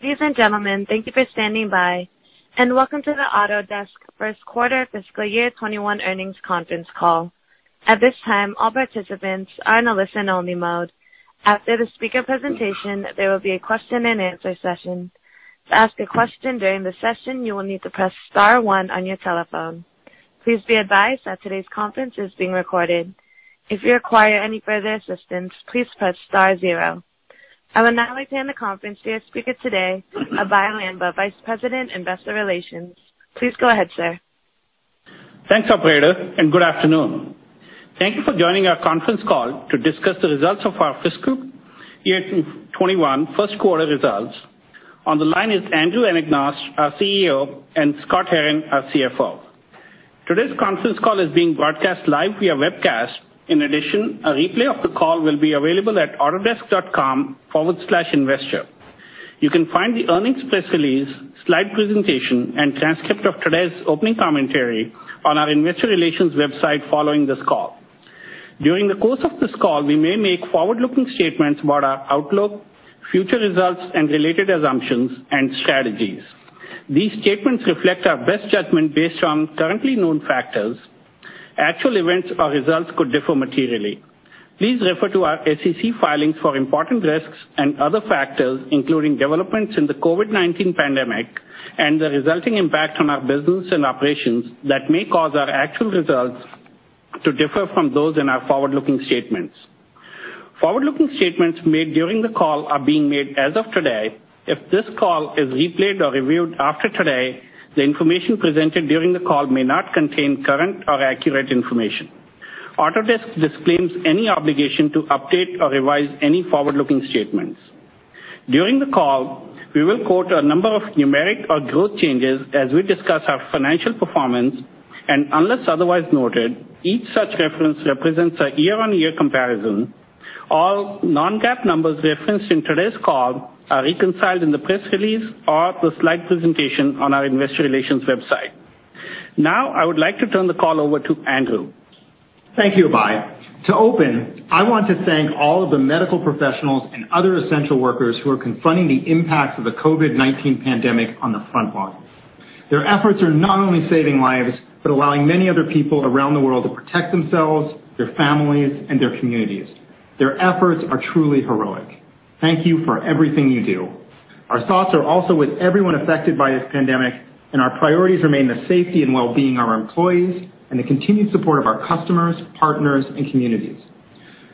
Ladies and gentlemen, thank you for standing by. Welcome to the Autodesk Q1 Fiscal Year 2021 Earnings Conference Call. At this time, all participants are in a listen-only mode. After the speaker presentation, there will be a question and answer session. To ask a question during the session, you will need to press star one on your telephone. Please be advised that today's conference is being recorded. If you require any further assistance, please press star zero. I will now turn the conference to your speaker today, Abhey Lamba, Vice President, Investor Relations. Please go ahead, sir. Thanks, operator. Good afternoon. Thank you for joining our conference call to discuss the results of our fiscal year 2021 Q1 results. On the line is Andrew Anagnost, our CEO, and Scott Herren, our CFO. Today's conference call is being broadcast live via webcast. In addition, a replay of the call will be available at autodesk.com/investor. You can find the earnings press release, slide presentation, and transcript of today's opening commentary on our investor relations website following this call. During the course of this call, we may make forward-looking statements about our outlook, future results, and related assumptions and strategies. These statements reflect our best judgment based on currently known factors. Actual events or results could differ materially. Please refer to our SEC filings for important risks and other factors, including developments in the COVID-19 pandemic and the resulting impact on our business and operations that may cause our actual results to differ from those in our forward-looking statements. Forward-looking statements made during the call are being made as of today. If this call is replayed or reviewed after today, the information presented during the call may not contain current or accurate information. Autodesk disclaims any obligation to update or revise any forward-looking statements. During the call, we will quote a number of numeric or growth changes as we discuss our financial performance, and unless otherwise noted, each such reference represents a year-on-year comparison. All non-GAAP numbers referenced in today's call are reconciled in the press release or the slide presentation on our investor relations website. Now, I would like to turn the call over to Andrew. Thank you, Abhey. To open, I want to thank all of the medical professionals and other essential workers who are confronting the impact of the COVID-19 pandemic on the front lines. Their efforts are not only saving lives, but allowing many other people around the world to protect themselves, their families, and their communities. Their efforts are truly heroic. Thank you for everything you do. Our thoughts are also with everyone affected by this pandemic, and our priorities remain the safety and wellbeing of our employees, and the continued support of our customers, partners, and communities.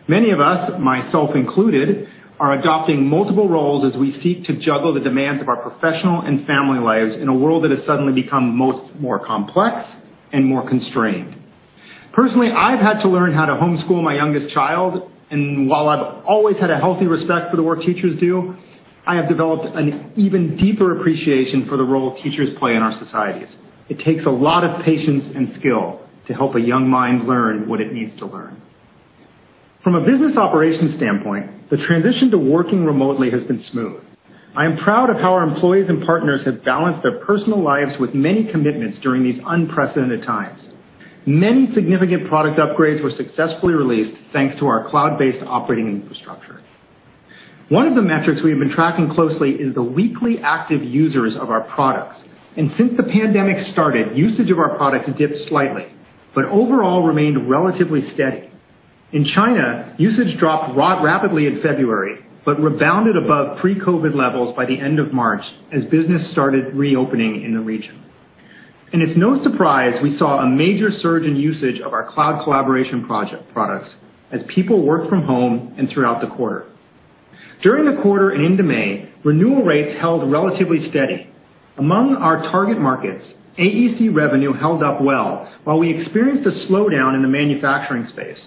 Many of us, myself included, are adopting multiple roles as we seek to juggle the demands of our professional and family lives in a world that has suddenly become most more complex and more constrained. Personally, I've had to learn how to homeschool my youngest child, and while I've always had a healthy respect for the work teachers do, I have developed an even deeper appreciation for the role teachers play in our societies. It takes a lot of patience and skill to help a young mind learn what it needs to learn. From a business operations standpoint, the transition to working remotely has been smooth. I am proud of how our employees and partners have balanced their personal lives with many commitments during these unprecedented times. Many significant product upgrades were successfully released thanks to our cloud-based operating infrastructure. One of the metrics we have been tracking closely is the weekly active users of our products. Since the pandemic started, usage of our products dipped slightly, but overall remained relatively steady. In China, usage dropped rapidly in February, but rebounded above pre-COVID-19 levels by the end of March as business started reopening in the region. It's no surprise we saw a major surge in usage of our cloud collaboration project products as people worked from home and throughout the quarter. During the quarter and into May, renewal rates held relatively steady. Among our target markets, AEC revenue held up well, while we experienced a slowdown in the manufacturing space.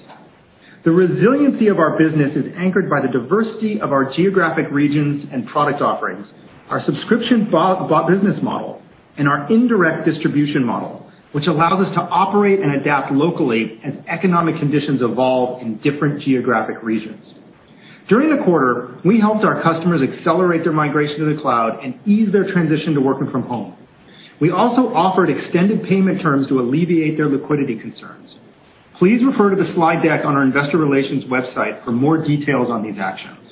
The resiliency of our business is anchored by the diversity of our geographic regions and product offerings, our subscription business model, and our indirect distribution model, which allows us to operate and adapt locally as economic conditions evolve in different geographic regions. During the quarter, we helped our customers accelerate their migration to the cloud and ease their transition to working from home. We also offered extended payment terms to alleviate their liquidity concerns. Please refer to the slide deck on our investor relations website for more details on these actions.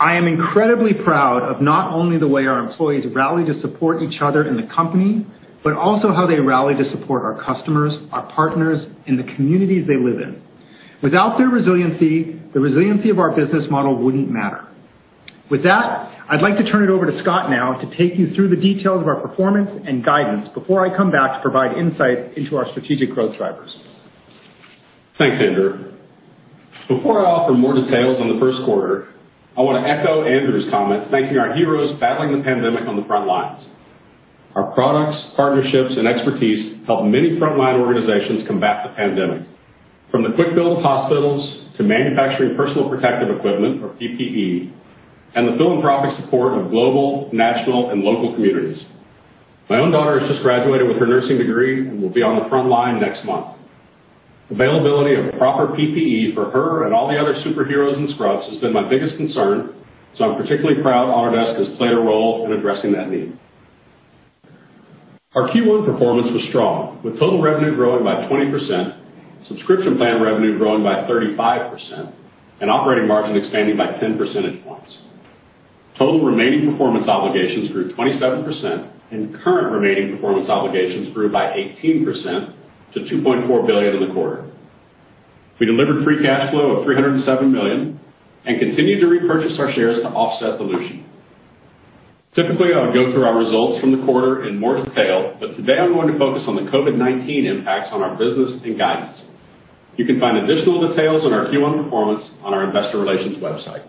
I am incredibly proud of not only the way our employees rallied to support each other and the company, but also how they rallied to support our customers, our partners, and the communities they live in. Without their resiliency, the resiliency of our business model wouldn't matter. With that, I'd like to turn it over to Scott now to take you through the details of our performance and guidance before I come back to provide insight into our strategic growth drivers. Thanks, Andrew. Before I offer more details on the Q1, I want to echo Andrew's comment thanking our heroes battling the pandemic on the front lines. Our products, partnerships, and expertise help many frontline organizations combat the pandemic. From the quick build of hospitals to manufacturing personal protective equipment, or PPE, and the philanthropic support of global, national, and local communities. My own daughter has just graduated with her nursing degree and will be on the front line next month. Availability of proper PPE for her and all the other superheroes in scrubs has been my biggest concern, I'm particularly proud Autodesk has played a role in addressing that need. Our Q1 performance was strong, with total revenue growing by 20%, subscription plan revenue growing by 35%, and operating margin expanding by 10 percentage points. Total remaining performance obligations grew 27%, and current remaining performance obligations grew by 18% to $2.4 billion in the quarter. We delivered free cash flow of $307 million and continued to repurchase our shares to offset dilution. Typically, I would go through our results from the quarter in more detail, but today I'm going to focus on the COVID-19 impacts on our business and guidance. You can find additional details on our Q1 performance on our investor relations website.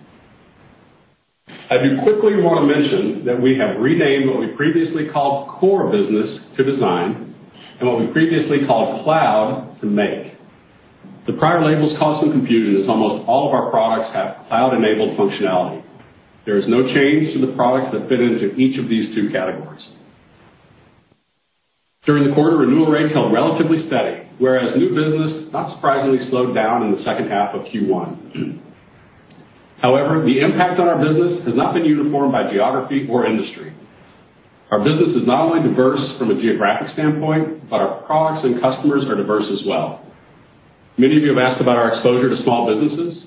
I do quickly want to mention that we have renamed what we previously called Core Business to Design and what we previously called Cloud to Make. The prior labels caused some confusion as almost all of our products have cloud-enabled functionality. There is no change to the products that fit into each of these two categories. During the quarter, renewal rates held relatively steady, whereas new business, not surprisingly, slowed down in the second half of Q1. However, the impact on our business has not been uniform by geography or industry. Our business is not only diverse from a geographic standpoint, but our products and customers are diverse as well. Many of you have asked about our exposure to small businesses.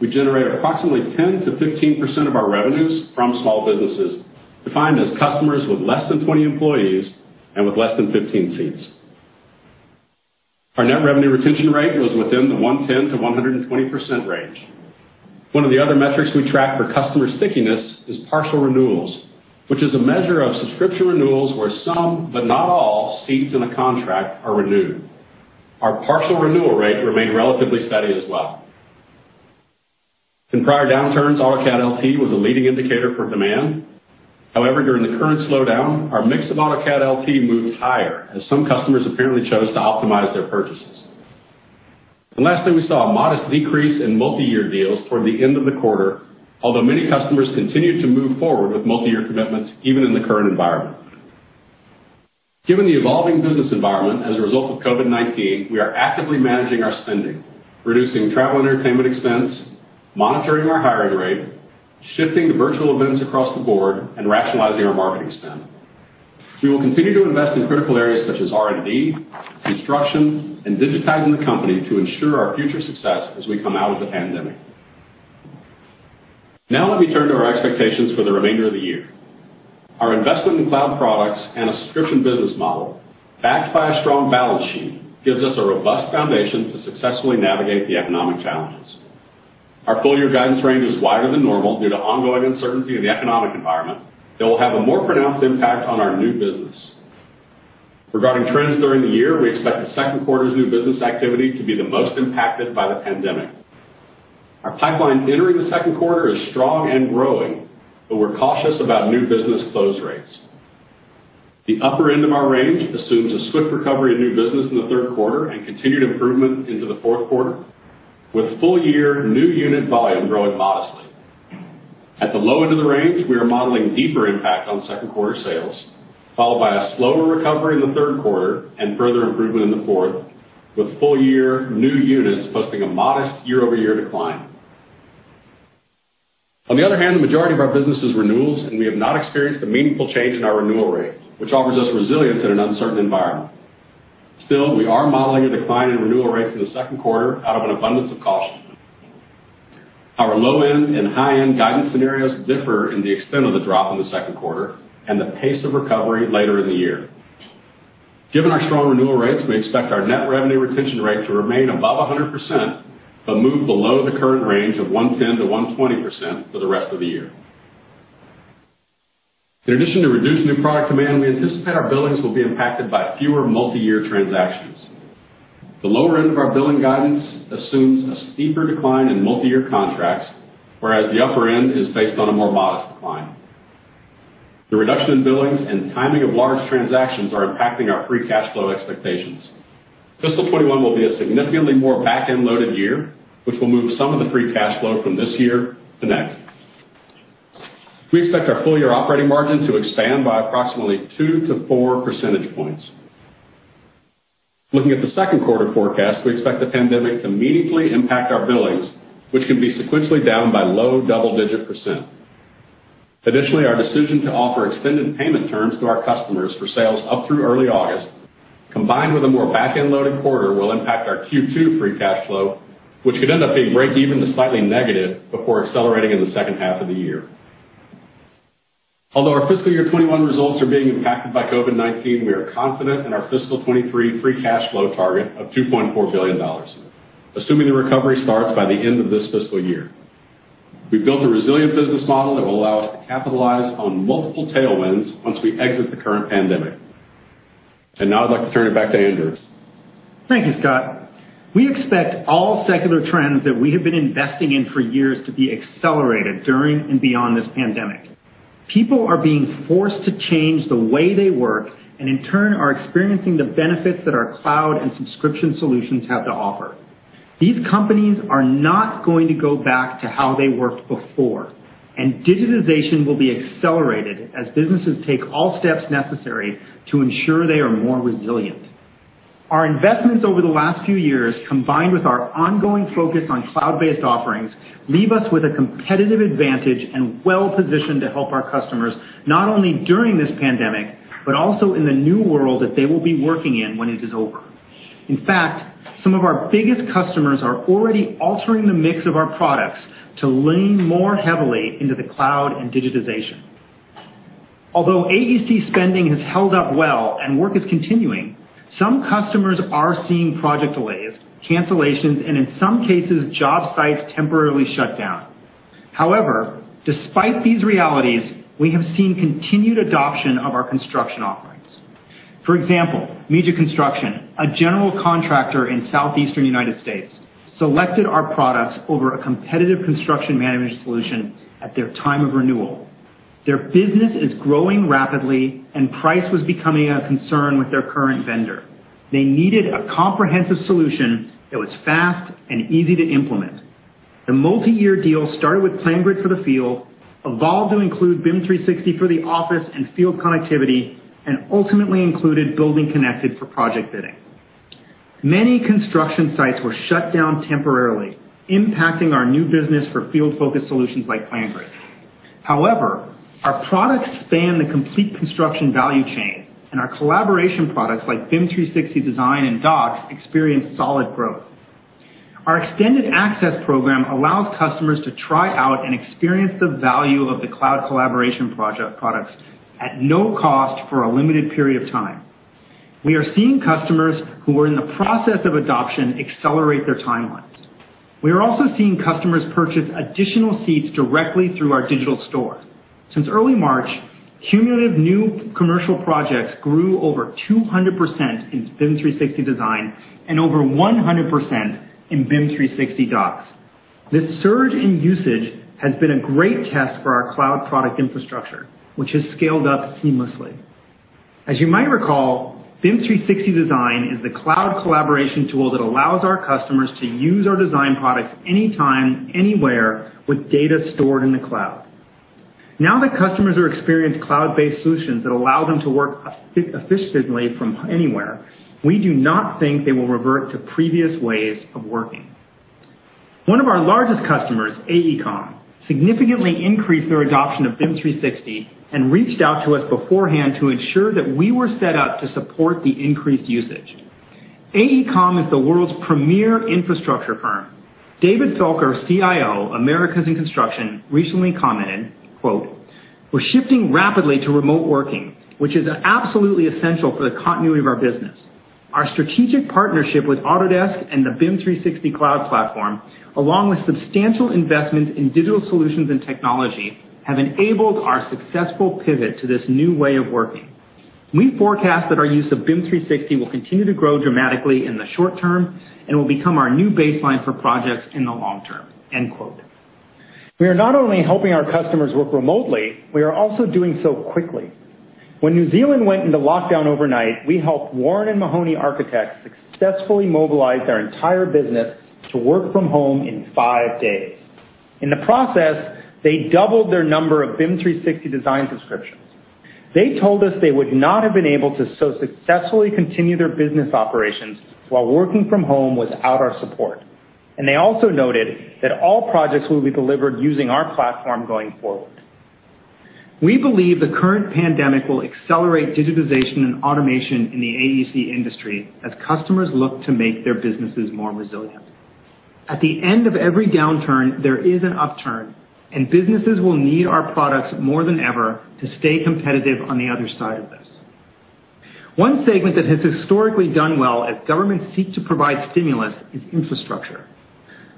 We generate approximately 10%-15% of our revenues from small businesses, defined as customers with less than 20 employees and with less than 15 seats. Our net revenue retention rate was within the 110%-120% range. One of the other metrics we track for customer stickiness is partial renewals, which is a measure of subscription renewals where some, but not all, seats in a contract are renewed. Our partial renewal rate remained relatively steady as well. In prior downturns, AutoCAD LT was a leading indicator for demand. However, during the current slowdown, our mix of AutoCAD LT moved higher as some customers apparently chose to optimize their purchases. Lastly, we saw a modest decrease in multi-year deals toward the end of the quarter, although many customers continued to move forward with multi-year commitments, even in the current environment. Given the evolving business environment as a result of COVID-19, we are actively managing our spending, reducing travel entertainment expense, monitoring our hiring rate, shifting to virtual events across the board, and rationalizing our marketing spend. We will continue to invest in critical areas such as R&D, construction, and digitizing the company to ensure our future success as we come out of the pandemic. Let me turn to our expectations for the remainder of the year. Our investment in cloud products and a subscription business model, backed by a strong balance sheet, gives us a robust foundation to successfully navigate the economic challenges. Our full-year guidance range is wider than normal due to ongoing uncertainty in the economic environment that will have a more pronounced impact on our new business. Regarding trends during the year, we expect the second quarter's new business activity to be the most impacted by the pandemic. Our pipeline entering the Q2 is strong and growing, but we're cautious about new business close rates. The upper end of our range assumes a swift recovery in new business in the third quarter and continued improvement into the Q4, with full-year new unit volume growing modestly. At the low end of the range, we are modeling deeper impact on Q2 sales, followed by a slower recovery in the Q3 and further improvement in the fourth, with full-year new units posting a modest year-over-year decline. On the other hand, the majority of our business is renewals, and we have not experienced a meaningful change in our renewal rates, which offers us resilience in an uncertain environment. Still, we are modeling a decline in renewal rates in the Q2 out of an abundance of caution. Our low-end and high-end guidance scenarios differ in the extent of the drop in the Q2 and the pace of recovery later in the year. Given our strong renewal rates, we expect our net revenue retention rate to remain above 100% but move below the current range of 110%-120% for the rest of the year. In addition to reduced new product demand, we anticipate our billings will be impacted by fewer multi-year transactions. The lower end of our billing guidance assumes a steeper decline in multi-year contracts, whereas the upper end is based on a more modest decline. The reduction in billings and timing of large transactions are impacting our free cash flow expectations. Fiscal 2021 will be a significantly more back-end-loaded year, which will move some of the free cash flow from this year to next. We expect our full-year operating margin to expand by approximately two - four percentage points. Looking at the Q2 forecast, we expect the pandemic to meaningfully impact our billings, which can be sequentially down by low double-digit %. Additionally, our decision to offer extended payment terms to our customers for sales up through early August, combined with a more back-end-loaded quarter, will impact our Q2 free cash flow, which could end up being breakeven to slightly negative before accelerating in the second half of the year. Although our fiscal year 2021 results are being impacted by COVID-19, we are confident in our fiscal 2023 free cash flow target of $2.4 billion, assuming the recovery starts by the end of this fiscal year. We've built a resilient business model that will allow us to capitalize on multiple tailwinds once we exit the current pandemic. Now I'd like to turn it back to Andrew. Thank you, Scott. We expect all secular trends that we have been investing in for years to be accelerated during and beyond this pandemic. People are being forced to change the way they work, and in turn, are experiencing the benefits that our cloud and subscription solutions have to offer. These companies are not going to go back to how they worked before. Digitization will be accelerated as businesses take all steps necessary to ensure they are more resilient. Our investments over the last few years, combined with our ongoing focus on cloud-based offerings, leave us with a competitive advantage and well-positioned to help our customers, not only during this pandemic, but also in the new world that they will be working in when it is over. In fact, some of our biggest customers are already altering the mix of our products to lean more heavily into the cloud and digitization. Although AEC spending has held up well and work is continuing, some customers are seeing project delays, cancellations, and in some cases, job sites temporarily shut down. However, despite these realities, we have seen continued adoption of our construction offerings. For example, Mejia Construction, a general contractor in southeastern United States, selected our products over a competitive construction management solution at their time of renewal. Their business is growing rapidly, and price was becoming a concern with their current vendor. They needed a comprehensive solution that was fast and easy to implement. The multi-year deal started with PlanGrid for the field, evolved to include BIM 360 for the office and field connectivity, and ultimately included BuildingConnected for project bidding. Many construction sites were shut down temporarily, impacting our new business for field-focused solutions like PlanGrid. Our products span the complete construction value chain, and our collaboration products, like BIM 360 Design and Docs, experienced solid growth. Our extended access program allows customers to try out and experience the value of the cloud collaboration project products at no cost for a limited period of time. We are seeing customers who are in the process of adoption accelerate their timelines. We are also seeing customers purchase additional seats directly through our digital store. Since early March, cumulative new commercial projects grew over 200% in BIM 360 Design and over 100% in BIM 360 Docs. This surge in usage has been a great test for our cloud product infrastructure, which has scaled up seamlessly. As you might recall, BIM 360 Design is the cloud collaboration tool that allows our customers to use our design products anytime, anywhere, with data stored in the cloud. Now that customers are experienced cloud-based solutions that allow them to work efficiently from anywhere, we do not think they will revert to previous ways of working. One of our largest customers, AECOM, significantly increased their adoption of BIM 360 and reached out to us beforehand to ensure that we were set up to support the increased usage. AECOM is the world's premier infrastructure firm. David Felker, CIO, Americas and Construction, recently commented, quote, "We're shifting rapidly to remote working, which is absolutely essential for the continuity of our business. Our strategic partnership with Autodesk and the BIM 360 cloud platform, along with substantial investment in digital solutions and technology, have enabled our successful pivot to this new way of working. We forecast that our use of BIM 360 will continue to grow dramatically in the short term and will become our new baseline for projects in the long term." End quote. We are not only helping our customers work remotely, we are also doing so quickly. When New Zealand went into lockdown overnight, we helped Warren and Mahoney Architects successfully mobilize their entire business to work from home in five days. In the process, they doubled their number of BIM 360 Design subscriptions. They told us they would not have been able to so successfully continue their business operations while working from home without our support, and they also noted that all projects will be delivered using our platform going forward. We believe the current pandemic will accelerate digitization and automation in the AEC industry as customers look to make their businesses more resilient. At the end of every downturn, there is an upturn, and businesses will need our products more than ever to stay competitive on the other side of this. One segment that has historically done well as governments seek to provide stimulus is infrastructure.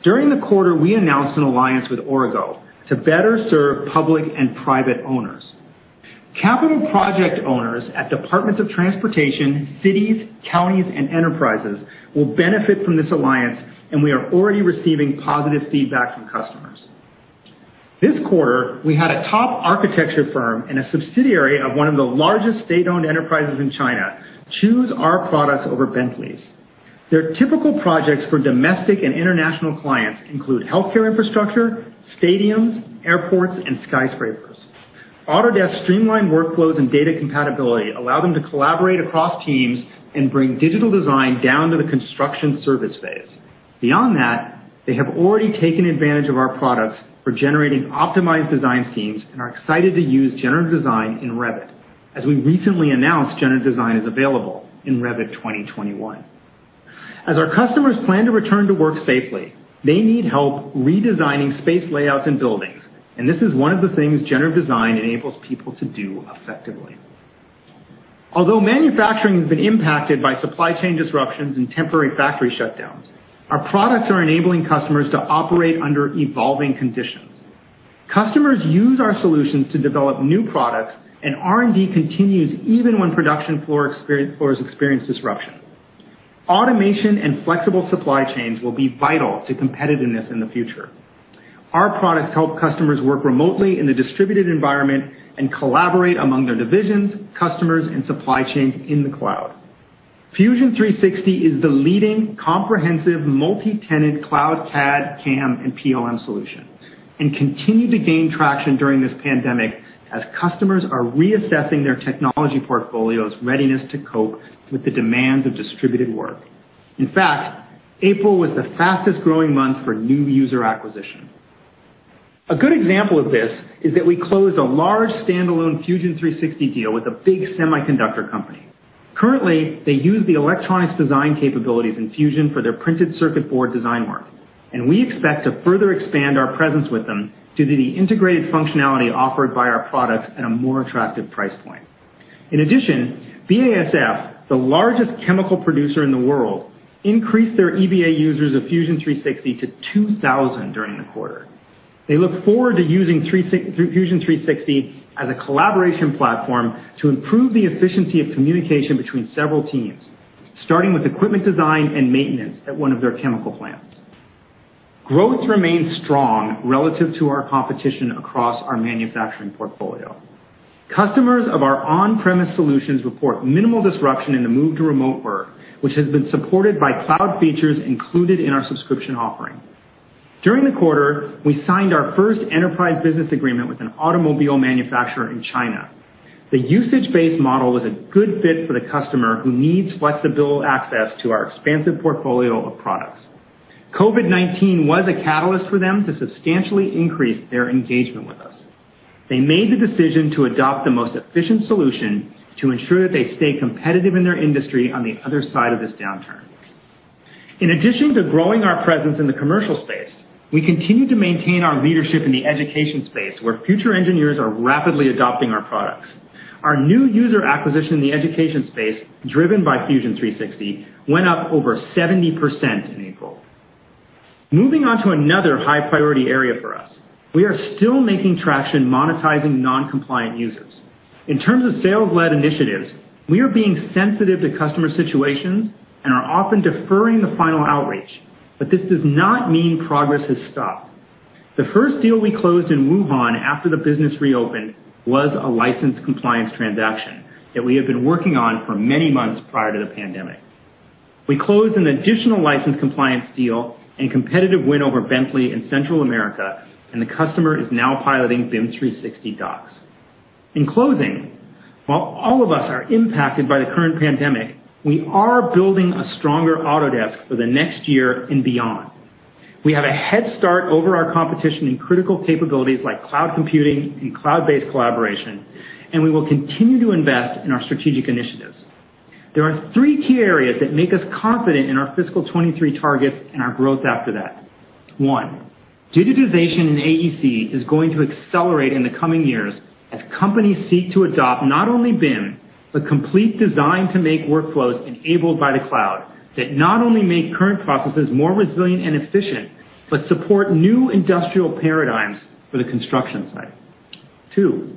During the quarter, we announced an alliance with Aurigo to better serve public and private owners. Capital project owners at departments of transportation, cities, counties, and enterprises will benefit from this alliance, and we are already receiving positive feedback from customers. This quarter, we had a top architecture firm and a subsidiary of one of the largest state-owned enterprises in China choose our products over Bentley's. Their typical projects for domestic and international clients include healthcare infrastructure, stadiums, airports, and skyscrapers. Autodesk streamlined workflows and data compatibility allow them to collaborate across teams and bring digital design down to the construction service phase. Beyond that, they have already taken advantage of our products for generating optimized design schemes and are excited to use generative design in Revit. As we recently announced, generative design is available in Revit 2021. As our customers plan to return to work safely, they need help redesigning space layouts and buildings, and this is one of the things generative design enables people to do effectively. Although manufacturing has been impacted by supply chain disruptions and temporary factory shutdowns, our products are enabling customers to operate under evolving conditions. Customers use our solutions to develop new products, and R&D continues even when production floor experience disruption. Automation and flexible supply chains will be vital to competitiveness in the future. Our products help customers work remotely in a distributed environment and collaborate among their divisions, customers, and supply chains in the cloud. Fusion 360 is the leading comprehensive multi-tenant cloud CAD, CAM, and PLM solution. It continued to gain traction during this pandemic, as customers are reassessing their technology portfolio's readiness to cope with the demands of distributed work. In fact, April was the fastest-growing month for new user acquisition. A good example of this is that we closed a large standalone Fusion 360 deal with a big semiconductor company. Currently, they use the electronics design capabilities in Fusion for their printed circuit board design work, and we expect to further expand our presence with them due to the integrated functionality offered by our products at a more attractive price point. In addition, BASF, the largest chemical producer in the world, increased their EBA users of Fusion 360 - 2,000 during the quarter. They look forward to using Fusion 360 as a collaboration platform to improve the efficiency of communication between several teams, starting with equipment design and maintenance at one of their chemical plants. Growth remains strong relative to our competition across our manufacturing portfolio. Customers of our on-premise solutions report minimal disruption in the move to remote work, which has been supported by cloud features included in our subscription offering. During the quarter, we signed our first enterprise business agreement with an automobile manufacturer in China. The usage-based model was a good fit for the customer who needs flexible access to our expansive portfolio of products. COVID-19 was a catalyst for them to substantially increase their engagement with us. They made the decision to adopt the most efficient solution to ensure that they stay competitive in their industry on the other side of this downturn. In addition to growing our presence in the commercial space, we continue to maintain our leadership in the education space, where future engineers are rapidly adopting our products. Our new user acquisition in the education space, driven by Fusion 360, went up over 70% in April. Moving on to another high-priority area for us. We are still making traction monetizing non-compliant users. In terms of sales-led initiatives, we are being sensitive to customer situations and are often deferring the final outreach, but this does not mean progress has stopped. The first deal we closed in Wuhan after the business reopened was a license compliance transaction that we have been working on for many months prior to the pandemic. We closed an additional license compliance deal and competitive win over Bentley in Central America, and the customer is now piloting BIM 360 Docs. In closing, while all of us are impacted by the current pandemic, we are building a stronger Autodesk for the next year and beyond. We have a head start over our competition in critical capabilities like cloud computing and cloud-based collaboration, we will continue to invest in our strategic initiatives. There are three key areas that make us confident in our fiscal 2023 targets and our growth after that. One, digitization in AEC is going to accelerate in the coming years as companies seek to adopt not only BIM, but complete Design to Make workflows enabled by the cloud, that not only make current processes more resilient and efficient, but support new industrial paradigms for the construction site. Two,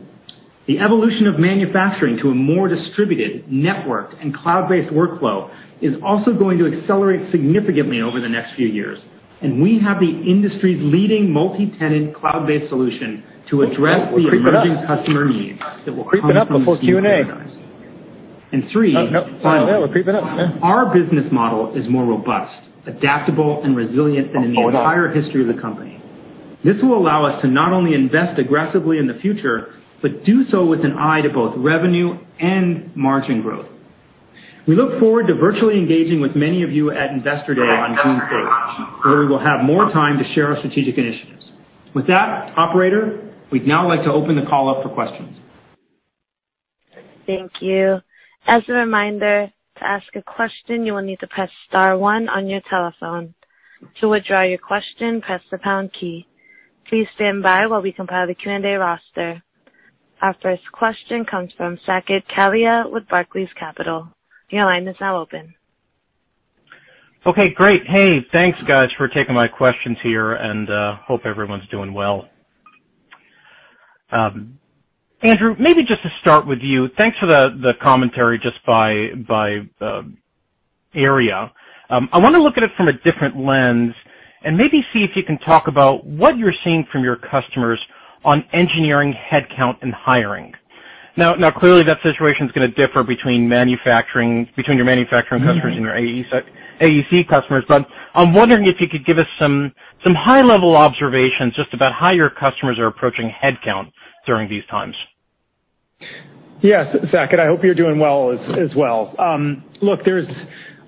the evolution of manufacturing to a more distributed, networked, and cloud-based workflow is also going to accelerate significantly over the next few years, and we have the industry's leading multi-tenant cloud-based solution to address the emerging customer needs that will come from these new paradigms. Three, finally, our business model is more robust, adaptable, and resilient than in the entire history of the company. This will allow us to not only invest aggressively in the future, but do so with an eye to both revenue and margin growth. We look forward to virtually engaging with many of you at Investor Day on June 8th, where we will have more time to share our strategic initiatives. With that, operator, we'd now like to open the call up for questions. Thank you. As a reminder, to ask a question, you will need to press star one on your telephone. To withdraw your question, press the pound key. Please stand by while we compile the Q&A roster. Our first question comes from Saket Kalia with Barclays Capital. Your line is now open. Okay, great. Hey, thanks guys for taking my questions here. Hope everyone's doing well. Andrew, maybe just to start with you, thanks for the commentary just by area. I want to look at it from a different lens and maybe see if you can talk about what you're seeing from your customers on engineering headcount and hiring. Now, clearly that situation's going to differ between your manufacturing customers and your AEC customers. I'm wondering if you could give us some high-level observations just about how your customers are approaching headcount during these times. Yes, Saket, I hope you're doing well as well. Look,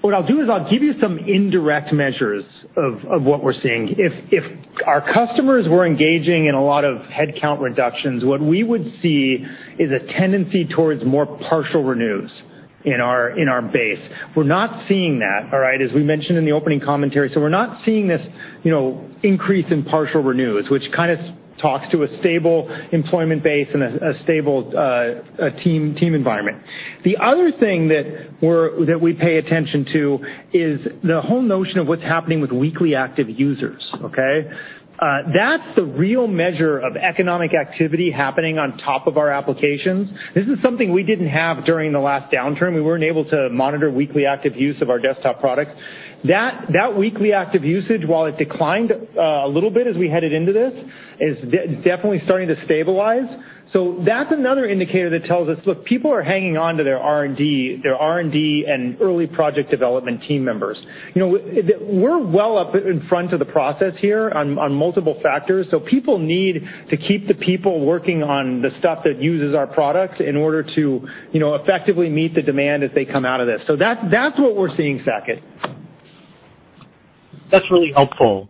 what I'll do is I'll give you some indirect measures of what we're seeing. If our customers were engaging in a lot of headcount reductions, what we would see is a tendency towards more partial renews in our base. We're not seeing that, all right, as we mentioned in the opening commentary. We're not seeing this increase in partial renews, which kind of talks to a stable employment base and a stable team environment. The other thing that we pay attention to is the whole notion of what's happening with weekly active users, okay? That's the real measure of economic activity happening on top of our applications. This is something we didn't have during the last downturn. We weren't able to monitor weekly active use of our desktop products. That weekly active usage, while it declined a little bit as we headed into this, is definitely starting to stabilize. That's another indicator that tells us, look, people are hanging on to their R&D and early project development team members. We're well up in front of the process here on multiple factors, so people need to keep the people working on the stuff that uses our products in order to effectively meet the demand as they come out of this. That's what we're seeing, Saket. That's really helpful.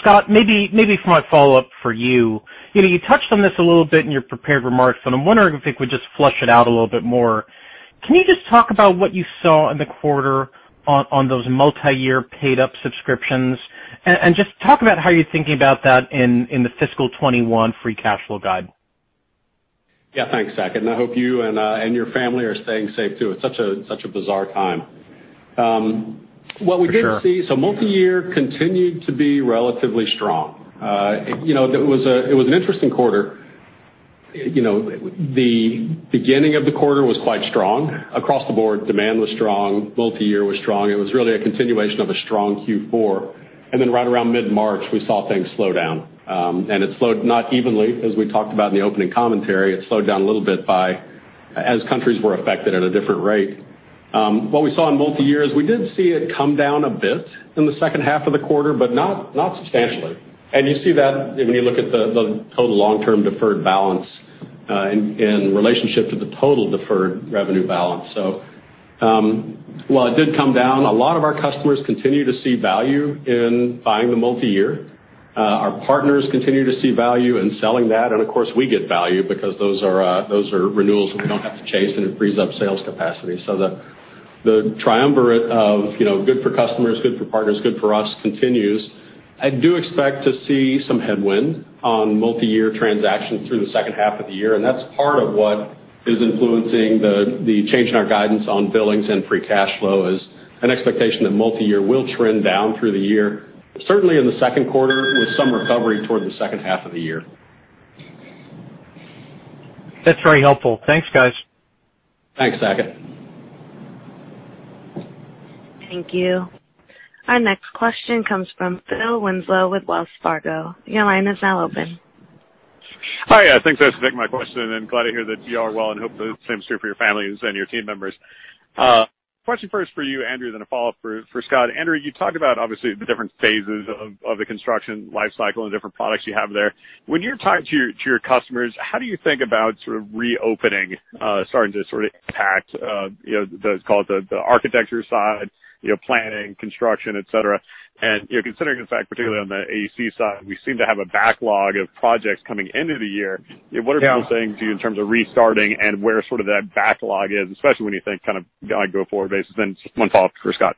Scott, maybe for my follow-up for you touched on this a little bit in your prepared remarks, but I'm wondering if we just flesh it out a little bit more. Can you just talk about what you saw in the quarter on those multi-year paid up subscriptions? Just talk about how you're thinking about that in the fiscal 2021 free cash flow guide. Yeah. Thanks, Zach. I hope you and your family are staying safe, too. It's such a bizarre time. For sure. What we did see, multi-year continued to be relatively strong. It was an interesting quarter. The beginning of the quarter was quite strong. Across the board, demand was strong, multi-year was strong. It was really a continuation of a strong Q4. Then right around mid-March, we saw things slow down, and it slowed not evenly, as we talked about in the opening commentary. It slowed down a little bit as countries were affected at a different rate. What we saw in multi-year is we did see it come down a bit in the second half of the quarter, but not substantially. You see that when you look at the total long-term deferred balance in relationship to the total deferred revenue balance. While it did come down, a lot of our customers continue to see value in buying the multi-year. Our partners continue to see value in selling that, and of course, we get value because those are renewals that we don't have to chase, and it frees up sales capacity. The triumvirate of good for customers, good for partners, good for us continues. I do expect to see some headwind on multi-year transactions through the second half of the year, and that's part of what is influencing the change in our guidance on billings and free cash flow is an expectation that multi-year will trend down through the year, certainly in the second quarter, with some recovery towards the second half of the year. That's very helpful. Thanks, guys. Thanks, Saket. Thank you. Our next question comes from Phil Winslow with Wells Fargo. Your line is now open. Hi. Thanks, operator. My question. Glad to hear that you are well, and hope the same is true for your families and your team members. Question first for you, Andrew, then a follow-up for Scott. Andrew, you talked about, obviously, the different phases of the construction life cycle and different products you have there. When you're talking to your customers, how do you think about reopening, starting to impact, let's call it the architecture side, planning, construction, et cetera. Considering the fact, particularly on the AEC side, we seem to have a backlog of projects coming into the year. Yeah. What are people saying to you in terms of restarting and where that backlog is? Especially when you think on a go-forward basis. Just one follow-up for Scott.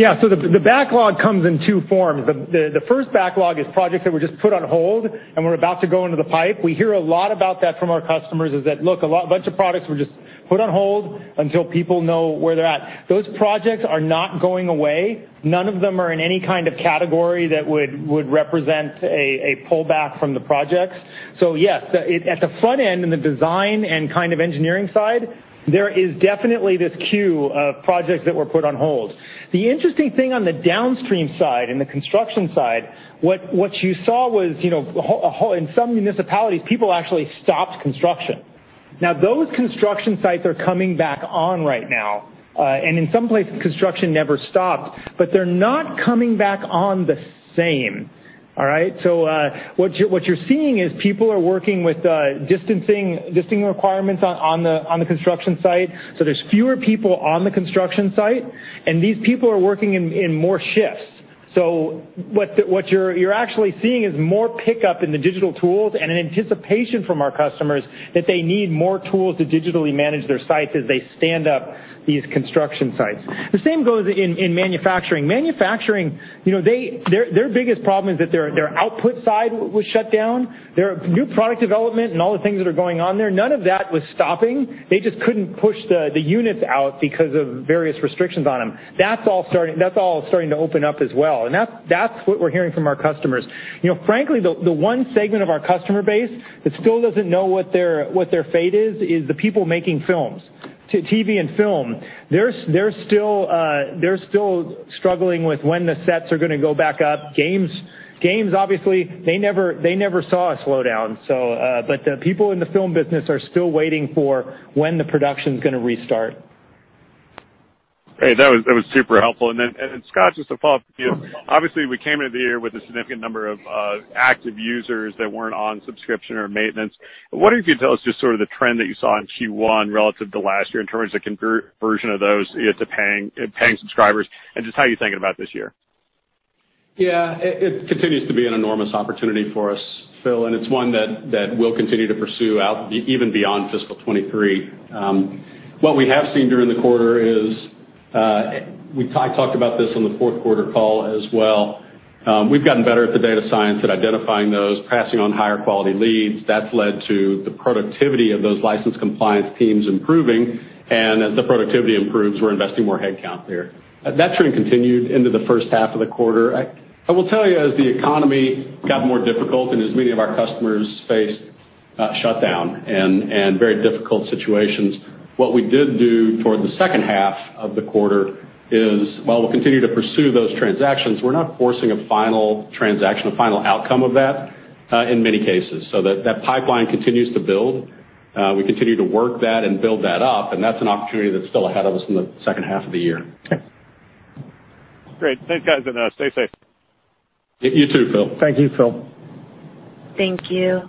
Yeah. The backlog comes in two forms. The first backlog is projects that were just put on hold and were about to go into the pipe. We hear a lot about that from our customers, is that, look, a bunch of projects were just put on hold until people know where they're at. Those projects are not going away. None of them are in any kind of category that would represent a pullback from the projects. Yes, at the front end, in the Design and engineering side, there is definitely this queue of projects that were put on hold. The interesting thing on the downstream side, in the construction side, what you saw was, in some municipalities, people actually stopped construction. Those construction sites are coming back on right now. In some places, construction never stopped, but they're not coming back on the same. All right? What you're seeing is people are working with distancing requirements on the construction site. There's fewer people on the construction site, and these people are working in more shifts. What you're actually seeing is more pickup in the digital tools and an anticipation from our customers that they need more tools to digitally manage their sites as they stand up these construction sites. The same goes in manufacturing. Manufacturing, their biggest problem is that their output side was shut down. Their new product development and all the things that are going on there, none of that was stopping. They just couldn't push the units out because of various restrictions on them. That's all starting to open up as well, and that's what we're hearing from our customers. Frankly, the one segment of our customer base that still doesn't know what their fate is the people making films, TV and film. They're still struggling with when the sets are going to go back up. Games, obviously, they never saw a slowdown. The people in the film business are still waiting for when the production's going to restart. Great. That was super helpful. Scott, just a follow-up for you. Obviously, we came into the year with a significant number of active users that weren't on subscription or maintenance. What, if you could tell us just the trend that you saw in Q1 relative to last year in terms of the conversion of those to paying subscribers, and just how you're thinking about this year? Yeah. It continues to be an enormous opportunity for us, Phil, and it's one that we'll continue to pursue out even beyond fiscal 2023. What we have seen during the quarter is, I talked about this on the Q4 call as well. We've gotten better at the data science, at identifying those, passing on higher quality leads. That's led to the productivity of those license compliance teams improving. As the productivity improves, we're investing more headcount there. That trend continued into the first half of the quarter. I will tell you, as the economy got more difficult and as many of our customers faced shutdown and very difficult situations, what we did do toward the second half of the quarter is, while we'll continue to pursue those transactions, we're not forcing a final transaction, a final outcome of that, in many cases. That pipeline continues to build. We continue to work that and build that up, and that's an opportunity that's still ahead of us in the second half of the year. Okay. Great. Thanks, guys, and stay safe. You too, Phil. Thank you, Phil. Thank you.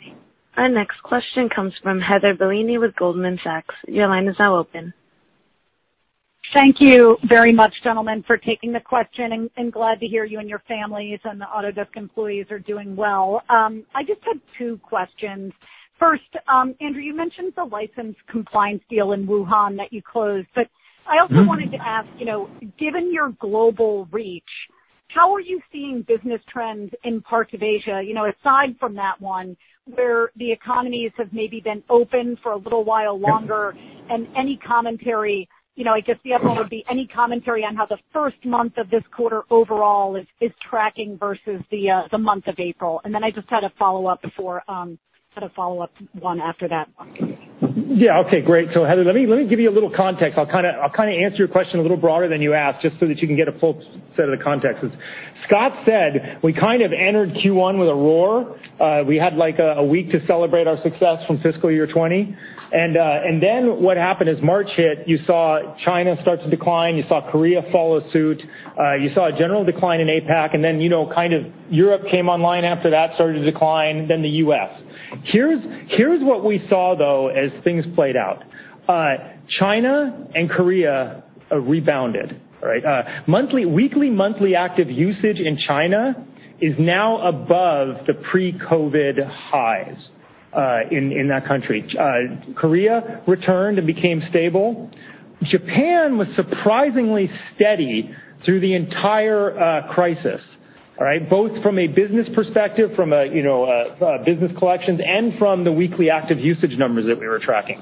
Our next question comes from Heather Bellini with Goldman Sachs. Your line is now open. Thank you very much, gentlemen, for taking the question, and glad to hear you and your families and the Autodesk employees are doing well. I just had two questions. First, Andrew Anagnost, you mentioned the license compliance deal in Wuhan that you closed. I also wanted to ask, given your global reach, how are you seeing business trends in parts of Asia, aside from that one, where the economies have maybe been open for a little while longer and any commentary. I guess the other one would be any commentary on how the first month of this quarter overall is tracking versus the month of April. I just had a follow-up one after that. Okay, great. Heather, let me give you a little context. I'll answer your question a little broader than you asked, just so that you can get a full set of the context. As Scott said, we kind of entered Q1 with a roar. We had a week to celebrate our success from fiscal year 2020. What happened is March hit, you saw China start to decline, you saw Korea follow suit, you saw a general decline in APAC, then Europe came online after that, started to decline, then the U.S. Here's what we saw, though, as things played out. China and Korea rebounded. Weekly monthly active usage in China is now above the pre-COVID highs in that country. Korea returned and became stable. Japan was surprisingly steady through the entire crisis. Both from a business perspective, from a business collections, and from the weekly active usage numbers that we were tracking.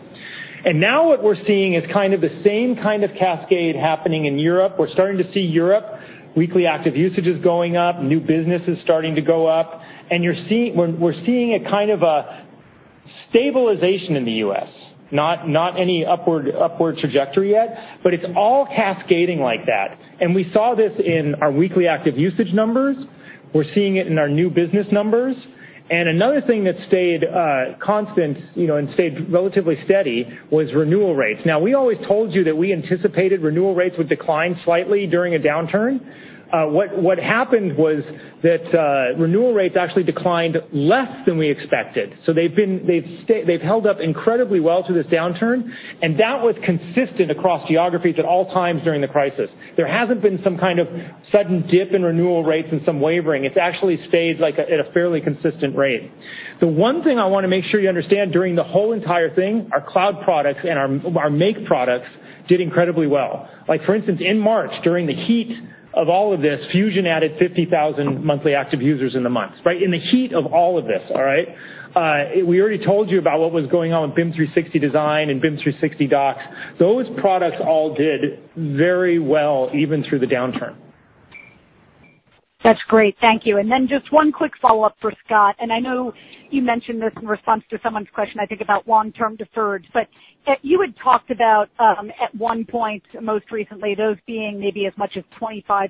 Now what we're seeing is the same kind of cascade happening in Europe. We're starting to see Europe, weekly active usage is going up, new business is starting to go up. We're seeing a kind of a stabilization in the U.S., not any upward trajectory yet, but it's all cascading like that. We saw this in our weekly active usage numbers. We're seeing it in our new business numbers. Another thing that stayed constant, and stayed relatively steady was renewal rates. Now, we always told you that we anticipated renewal rates would decline slightly during a downturn. What happened was that renewal rates actually declined less than we expected. They've held up incredibly well through this downturn, and that was consistent across geographies at all times during the crisis. There hasn't been some kind of sudden dip in renewal rates and some wavering. It's actually stayed at a fairly consistent rate. The one thing I want to make sure you understand during the whole entire thing, our cloud products and our Make products did incredibly well. For instance, in March, during the heat of all of this, Fusion added 50,000 monthly active users in the month. In the heat of all of this. We already told you about what was going on with BIM 360 Design and BIM 360 Docs. Those products all did very well, even through the downturn. That's great. Thank you. Then just one quick follow-up for Scott. I know you mentioned this in response to someone's question, I think, about long-term deferreds. You had talked about, at one point most recently, those being maybe as much as 25%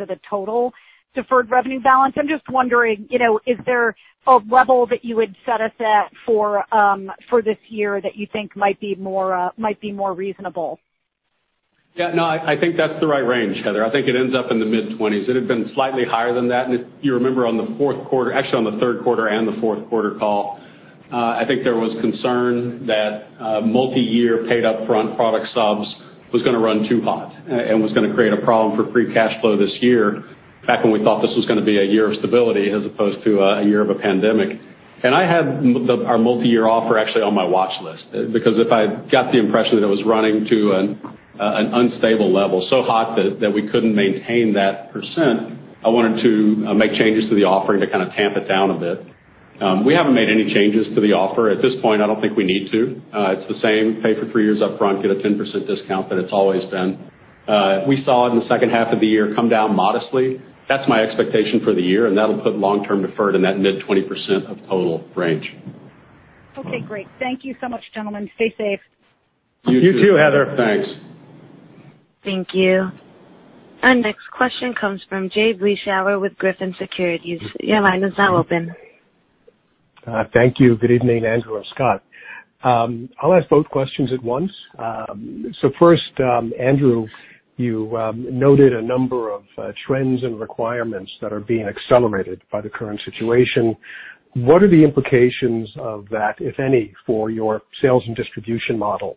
of the total deferred revenue balance. I'm just wondering, is there a level that you would set us at for this year that you think might be more reasonable? Yeah. No, I think that's the right range, Heather. I think it ends up in the mid-20s. It had been slightly higher than that, if you remember on the Q4, actually on the Q3 and the Q4 call, I think there was concern that multi-year paid upfront product subs was going to run too hot and was going to create a problem for free cash flow this year, back when we thought this was going to be a year of stability as opposed to a year of a pandemic. I had our multi-year offer actually on my watch list, because if I got the impression that it was running to an unstable level, so hot that we couldn't maintain that %, I wanted to make changes to the offering to kind of tamp it down a bit. We haven't made any changes to the offer. At this point, I don't think we need to. It's the same, pay for three years upfront, get a 10% discount that it's always been. We saw it in the second half of the year come down modestly. That's my expectation for the year, and that'll put long-term deferred in that mid-20% of total range. Okay, great. Thank you so much, gentlemen. Stay safe. You too. You too, Heather. Thanks. Thank you. Our next question comes from Jay Vleeschhouwer with Griffin Securities. Your line is now open. Thank you. Good evening, Andrew and Scott. I'll ask both questions at once. First, Andrew, you noted a number of trends and requirements that are being accelerated by the current situation. What are the implications of that, if any, for your sales and distribution model?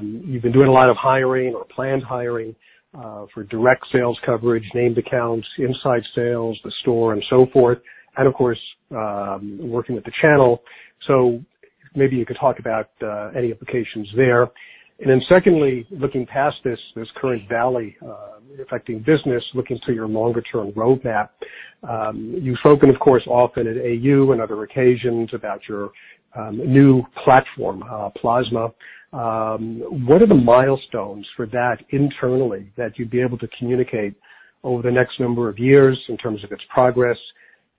You've been doing a lot of hiring or planned hiring for direct sales coverage, named accounts, inside sales, the store and so forth, and of course, working with the channel. Maybe you could talk about any implications there. Secondly, looking past this current valley affecting business, looking to your longer-term roadmap. You've spoken, of course, often at AU and other occasions about your new platform, Plasma. What are the milestones for that internally that you'd be able to communicate over the next number of years in terms of its progress?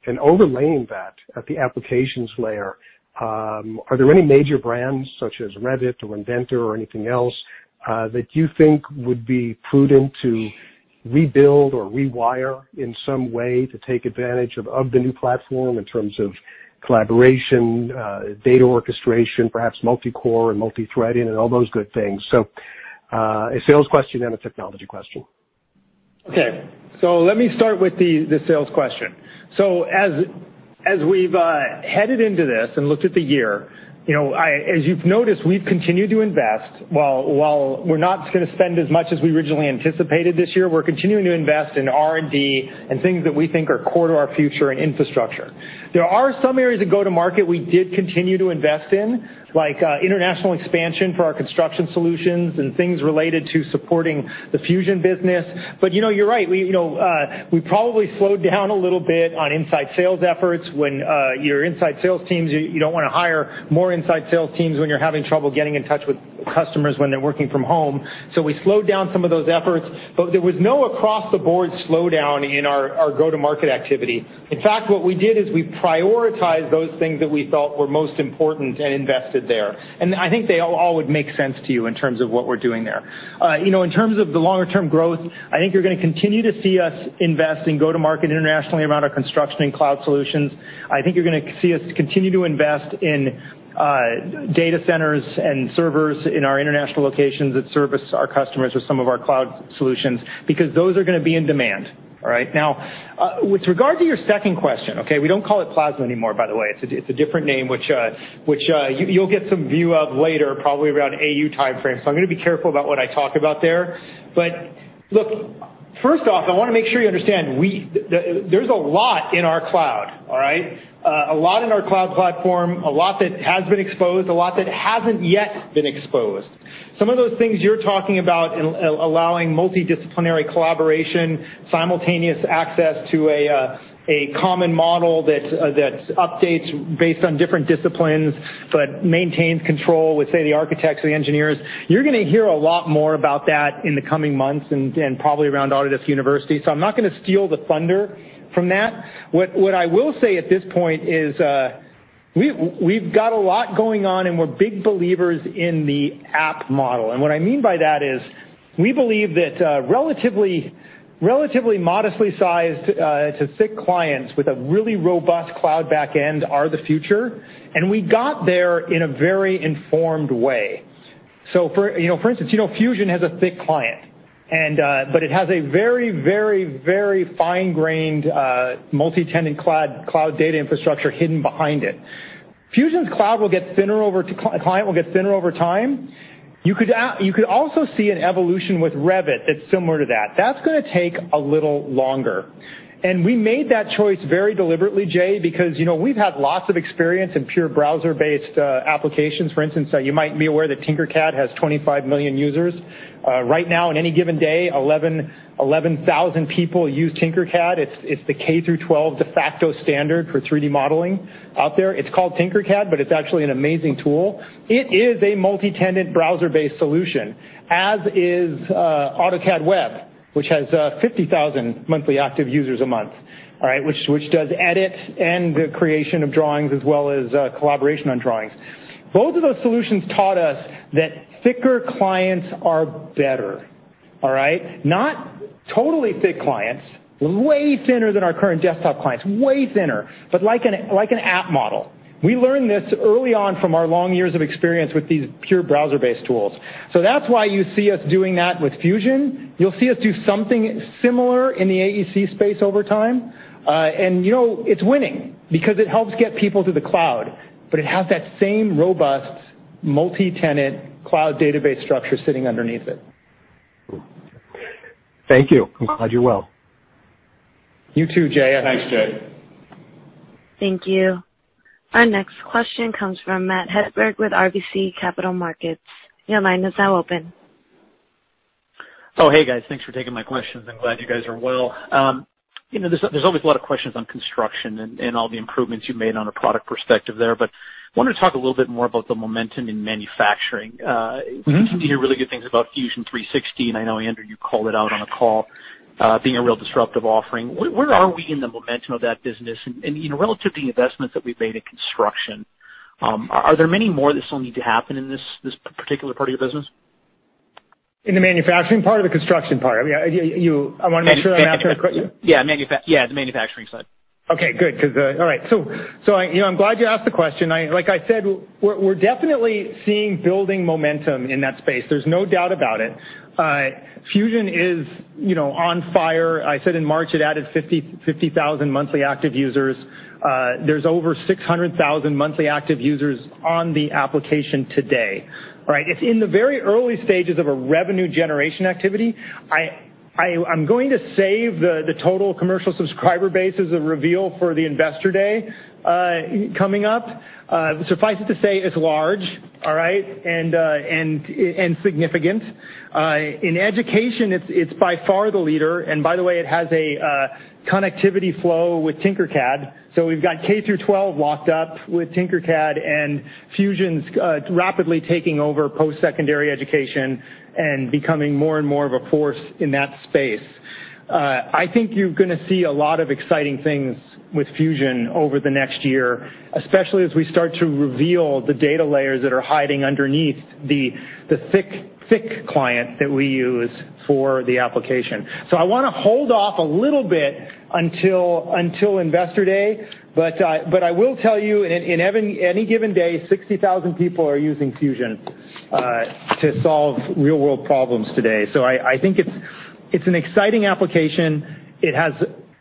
Overlaying that at the applications layer, are there any major brands such as Revit or Inventor or anything else, that you think would be prudent to rebuild or rewire in some way to take advantage of the new platform in terms of collaboration, data orchestration, perhaps multi-core and multithreading and all those good things? A sales question and a technology question. Okay. Let me start with the sales question. As we've headed into this and looked at the year, as you've noticed, we've continued to invest. While we're not going to spend as much as we originally anticipated this year, we're continuing to invest in R&D and things that we think are core to our future and infrastructure. There are some areas of go-to-market we did continue to invest in, like international expansion for our construction solutions and things related to supporting the Fusion business. You're right. We probably slowed down a little bit on inside sales efforts. When your inside sales teams, you don't want to hire more inside sales teams when you're having trouble getting in touch with customers when they're working from home. We slowed down some of those efforts, but there was no across-the-board slowdown in our go-to-market activity. In fact, what we did is we prioritized those things that we thought were most important and invested there. I think they all would make sense to you in terms of what we're doing there. In terms of the longer-term growth, I think you're going to continue to see us invest in go-to-market internationally around our construction and cloud solutions. I think you're going to see us continue to invest in data centers and servers in our international locations that service our customers with some of our cloud solutions, because those are going to be in demand. All right. With regard to your second question, okay, we don't call it Plasma anymore, by the way. It's a different name, which you'll get some view of later, probably around AU timeframe. I'm going to be careful about what I talk about there. Look, first off, I want to make sure you understand, there's a lot in our cloud. All right? A lot in our cloud platform, a lot that has been exposed, a lot that hasn't yet been exposed. Some of those things you're talking about, allowing multidisciplinary collaboration, simultaneous access to a common model that updates based on different disciplines but maintains control with, say, the architects or the engineers. You're going to hear a lot more about that in the coming months and probably around Autodesk University. I'm not going to steal the thunder from that. What I will say at this point is we've got a lot going on, and we're big believers in the app model. What I mean by that is we believe that relatively modestly sized to thick clients with a really robust cloud back end are the future. We got there in a very informed way. For instance, Fusion has a thick client, but it has a very fine-grained, multi-tenant cloud data infrastructure hidden behind it. Fusion's client will get thinner over time. You could also see an evolution with Revit that's similar to that. That's going to take a little longer. We made that choice very deliberately, Jay, because we've had lots of experience in pure browser-based applications. For instance, you might be aware that Tinkercad has 25 million users. Right now, on any given day, 11,000 people use Tinkercad. It's the K through 12 de facto standard for 3D modeling out there. It's called Tinkercad, but it's actually an amazing tool. It is a multi-tenant, browser-based solution, as is AutoCAD Web, which has 50,000 monthly active users a month. All right? Which does edit and the creation of drawings, as well as collaboration on drawings. Both of those solutions taught us that thicker clients are better. All right. Not totally thick clients, way thinner than our current desktop clients, way thinner, but like an app model. We learned this early on from our long years of experience with these pure browser-based tools. That's why you see us doing that with Fusion. You'll see us do something similar in the AEC space over time. It's winning because it helps get people to the cloud. It has that same robust multi-tenant cloud database structure sitting underneath it. Thank you. I'm glad you're well. You too, Jay. Thanks, Jay. Thank you. Our next question comes from Matt Hedberg with RBC Capital Markets. Your line is now open. Oh, hey, guys. Thanks for taking my questions. I'm glad you guys are well. There's always a lot of questions on construction and all the improvements you've made on a product perspective there. Wanted to talk a little bit more about the momentum in manufacturing. We continue to hear really good things about Fusion 360, and I know, Andrew, you called it out on a call, being a real disruptive offering. Where are we in the momentum of that business? Relative to the investments that we've made in construction, are there many more that still need to happen in this particular part of your business? In the manufacturing part or the construction part? I want to make sure I'm answering correctly. Yeah. The manufacturing side. Okay, good. All right. I'm glad you asked the question. Like I said, we're definitely seeing building momentum in that space. There's no doubt about it. Fusion is on fire. I said in March it added 50,000 monthly active users. There's over 600,000 monthly active users on the application today. All right. It's in the very early stages of a revenue generation activity. I'm going to save the total commercial subscriber base as a reveal for the Investor Day coming up. Suffice it to say it's large, all right, and significant. In education, it's by far the leader, and by the way, it has a connectivity flow with Tinkercad. We've got K through 12 locked up with Tinkercad, and Fusion's rapidly taking over post-secondary education and becoming more and more of a force in that space. I think you're going to see a lot of exciting things with Fusion over the next year, especially as we start to reveal the data layers that are hiding underneath the thick client that we use for the application. I want to hold off a little bit until Investor Day. I will tell you, in any given day, 60,000 people are using Fusion to solve real-world problems today. I think It's an exciting application. It has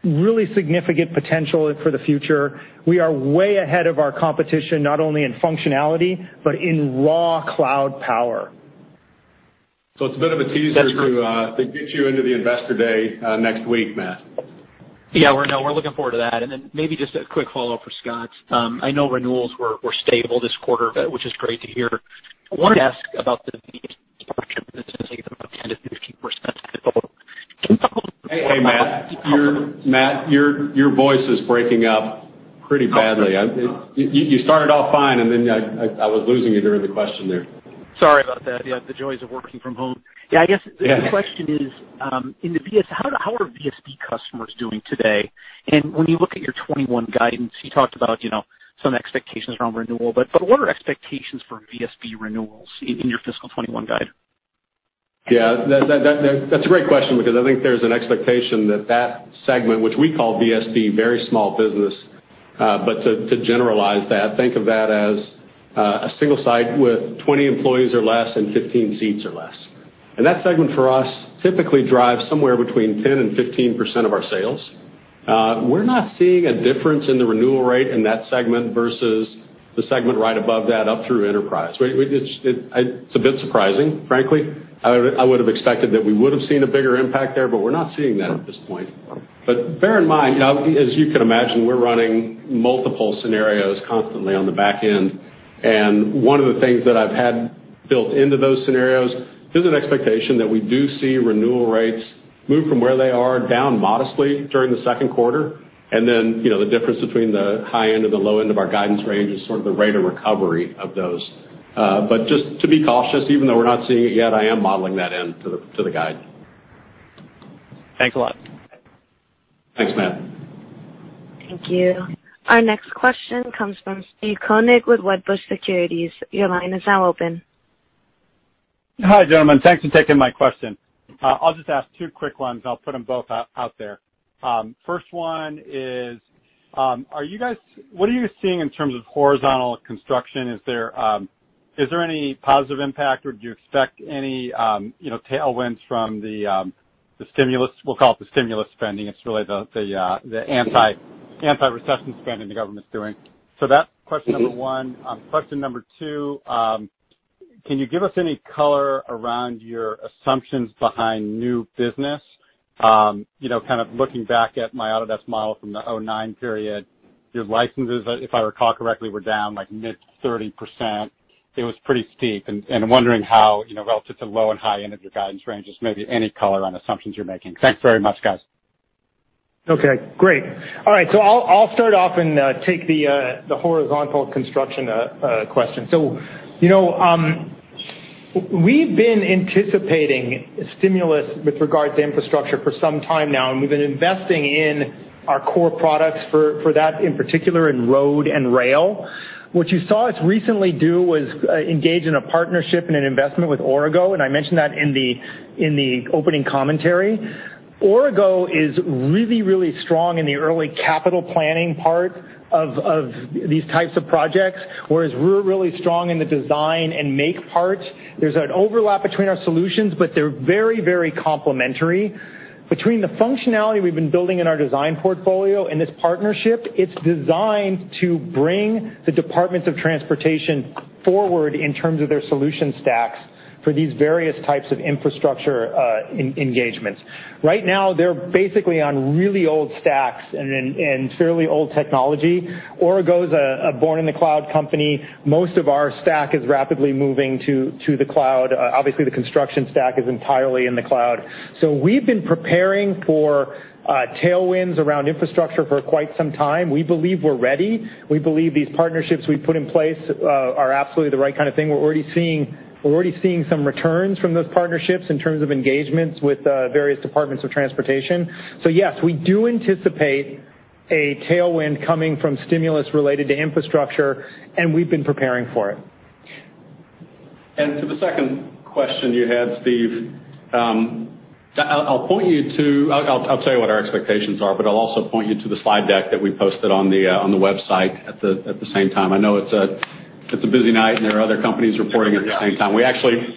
really significant potential for the future. We are way ahead of our competition, not only in functionality but in raw cloud power. it's a bit of a teaser. That's right. to get you into the investor day next week, Matt. Yeah. No, we're looking forward to that. Maybe just a quick follow-up for Scott. I know renewals were stable this quarter, which is great to hear. I wanted to ask about the 10%-15% Hey, Matt. Matt, your voice is breaking up pretty badly. You started off fine, and then I was losing you during the question there. Sorry about that. Yeah, the joys of working from home. Yeah, I guess the question is, how are VSB customers doing today? When you look at your 2021 guidance, you talked about some expectations around renewal. What are expectations for VSB renewals in your fiscal 2021 guide? That's a great question because I think there's an expectation that that segment, which we call VSB, Very Small Business. To generalize that, think of that as a single site with 20 employees or less and 15 seats or less. That segment for us typically drives somewhere between 10%-15% of our sales. We're not seeing a difference in the renewal rate in that segment versus the segment right above that up through enterprise. It's a bit surprising, frankly. I would've expected that we would've seen a bigger impact there, but we're not seeing that at this point. Bear in mind, as you can imagine, we're running multiple scenarios constantly on the back end. One of the things that I've had built into those scenarios is an expectation that we do see renewal rates move from where they are down modestly during the Q2. The difference between the high end and the low end of our guidance range is sort of the rate of recovery of those. Just to be cautious, even though we're not seeing it yet, I am modeling that in to the guide. Thanks a lot. Thanks, Matt. Thank you. Our next question comes from Steve Koenig with Wedbush Securities. Your line is now open. Hi, gentlemen. Thanks for taking my question. I'll just ask two quick ones. I'll put them both out there. First one is, what are you seeing in terms of horizontal construction? Is there any positive impact, or do you expect any tailwinds from the stimulus, we'll call it the stimulus spending. It's really the anti-recession spending the government's doing. That's question number one. Question number two. Can you give us any color around your assumptions behind new business? Kind of looking back at my Autodesk model from the 2009 period. Your licenses, if I recall correctly, were down like mid 30%. It was pretty steep. I'm wondering how, relative to low and high end of your guidance ranges, maybe any color on assumptions you're making. Thanks very much, guys. Okay, great. All right, I'll start off and take the horizontal construction question. We've been anticipating stimulus with regard to infrastructure for some time now, and we've been investing in our core products for that, in particular in road and rail. What you saw us recently do was engage in a partnership and an investment with Aurigo, and I mentioned that in the opening commentary. Aurigo is really strong in the early capital planning part of these types of projects, whereas we're really strong in the Design and Make parts. There's an overlap between our solutions, but they're very complementary. Between the functionality we've been building in our design portfolio and this partnership, it's designed to bring the departments of transportation forward in terms of their solution stacks for these various types of infrastructure engagements. Right now, they're basically on really old stacks and fairly old technology. Aurigo's a born in the cloud company. Most of our stack is rapidly moving to the cloud. Obviously, the construction stack is entirely in the cloud. We've been preparing for tailwinds around infrastructure for quite some time. We believe we're ready. We believe these partnerships we've put in place are absolutely the right kind of thing. We're already seeing some returns from those partnerships in terms of engagements with various departments of transportation. Yes, we do anticipate a tailwind coming from stimulus related to infrastructure, and we've been preparing for it. To the second question you had, Steve, I'll tell you what our expectations are, but I'll also point you to the slide deck that we posted on the website at the same time. I know it's a busy night, and there are other companies reporting at the same time. We actually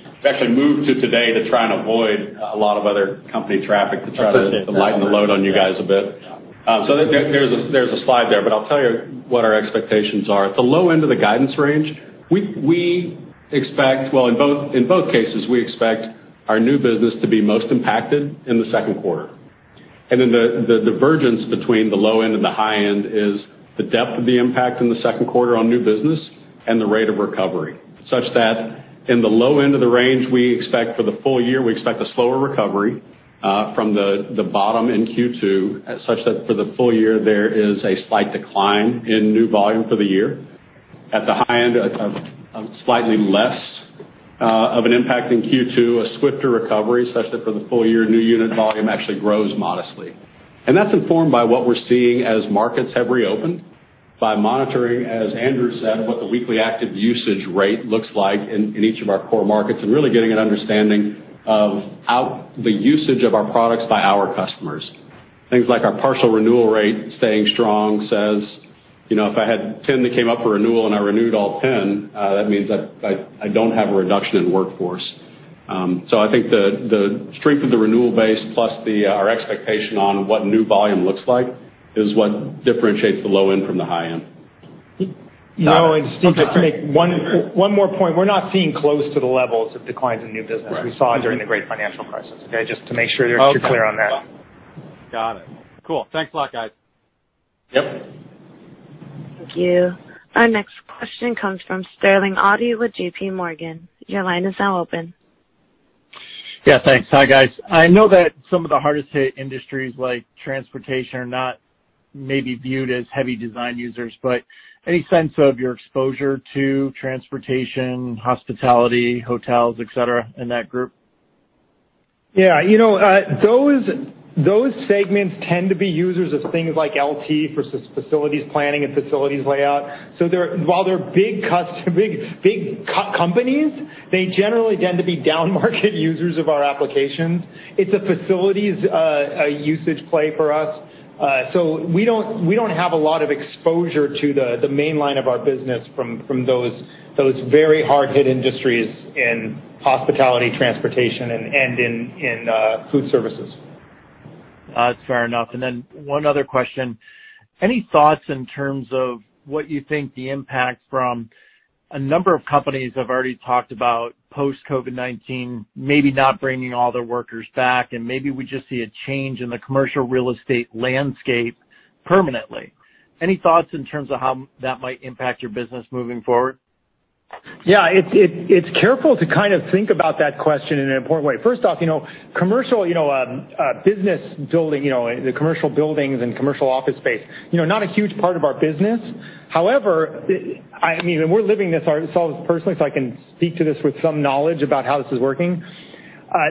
moved to today to try and avoid a lot of other company traffic to try to lighten the load on you guys a bit. There's a slide there, but I'll tell you what our expectations are. At the low end of the guidance range, in both cases, we expect our new business to be most impacted in the Q2. The divergence between the low end and the high end is the depth of the impact in the second quarter on new business and the rate of recovery, such that in the low end of the range, we expect for the full year, we expect a slower recovery from the bottom in Q2, such that for the full year, there is a slight decline in new volume for the year. At the high end, a slightly less of an impact in Q2, a swifter recovery such that for the full year, new unit volume actually grows modestly. That's informed by what we're seeing as markets have reopened by monitoring, as Andrew said, what the weekly active usage rate looks like in each of our core markets, and really getting an understanding of the usage of our products by our customers. Things like our partial renewal rate staying strong says. If I had 10 that came up for renewal and I renewed all 10, that means that I don't have a reduction in workforce. I think the strength of the renewal base, plus our expectation on what new volume looks like, is what differentiates the low end from the high end. Just to make one more point, we're not seeing close to the levels of declines in new business we saw during the great financial crisis. Okay? Just to make sure you're clear on that. Okay. Got it. Cool. Thanks a lot, guys. Yep. Thank you. Our next question comes from Sterling Auty with JP Morgan. Your line is now open. Yeah, thanks. Hi, guys. I know that some of the hardest hit industries like transportation are not maybe viewed as heavy design users, but any sense of your exposure to transportation, hospitality, hotels, et cetera, in that group? Those segments tend to be users of things like LT for facilities planning and facilities layout. While they're big companies, they generally tend to be down-market users of our applications. It's a facilities usage play for us. We don't have a lot of exposure to the main line of our business from those very hard-hit industries in hospitality, transportation, and in food services. That's fair enough. One other question, any thoughts in terms of what you think the impact from a number of companies have already talked about post COVID-19 maybe not bringing all their workers back, and maybe we just see a change in the commercial real estate landscape permanently. Any thoughts in terms of how that might impact your business moving forward? Yeah. It's careful to think about that question in an important way. First off, commercial business building, the commercial buildings and commercial office space. It's not a huge part of our business. However, we're living this ourselves personally, so I can speak to this with some knowledge about how this is working.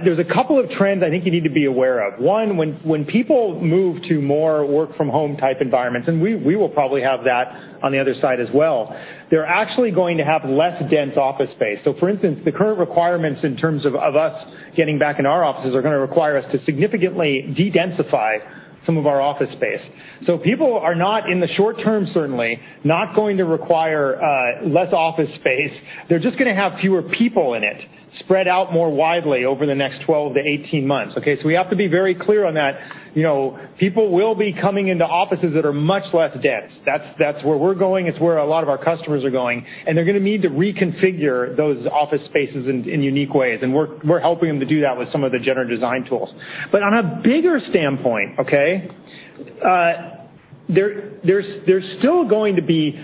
There's a couple of trends I think you need to be aware of. One, when people move to more work from home type environments, and we will probably have that on the other side as well, they're actually going to have less dense office space. For instance, the current requirements in terms of us getting back in our offices are going to require us to significantly de-densify some of our office space. People are not, in the short term, certainly, not going to require less office space. They're just going to have fewer people in it, spread out more widely over the next 12 - 18 months. Okay? We have to be very clear on that. People will be coming into offices that are much less dense. That's where we're going. It's where a lot of our customers are going, and they're going to need to reconfigure those office spaces in unique ways. We're helping them to do that with some of the generative design tools. On a bigger standpoint, okay, there's still going to be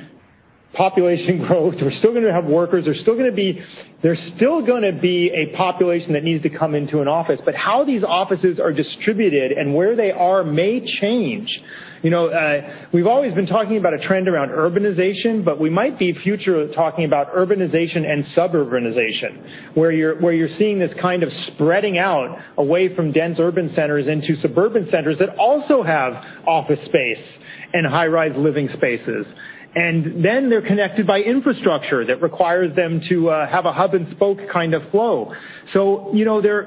population growth. We're still going to have workers. There's still going to be a population that needs to come into an office. How these offices are distributed and where they are may change. We've always been talking about a trend around urbanization, but we might be future talking about urbanization and suburbanization, where you're seeing this kind of spreading out away from dense urban centers into suburban centers that also have office space and high-rise living spaces. They're connected by infrastructure that requires them to have a hub and spoke kind of flow. There's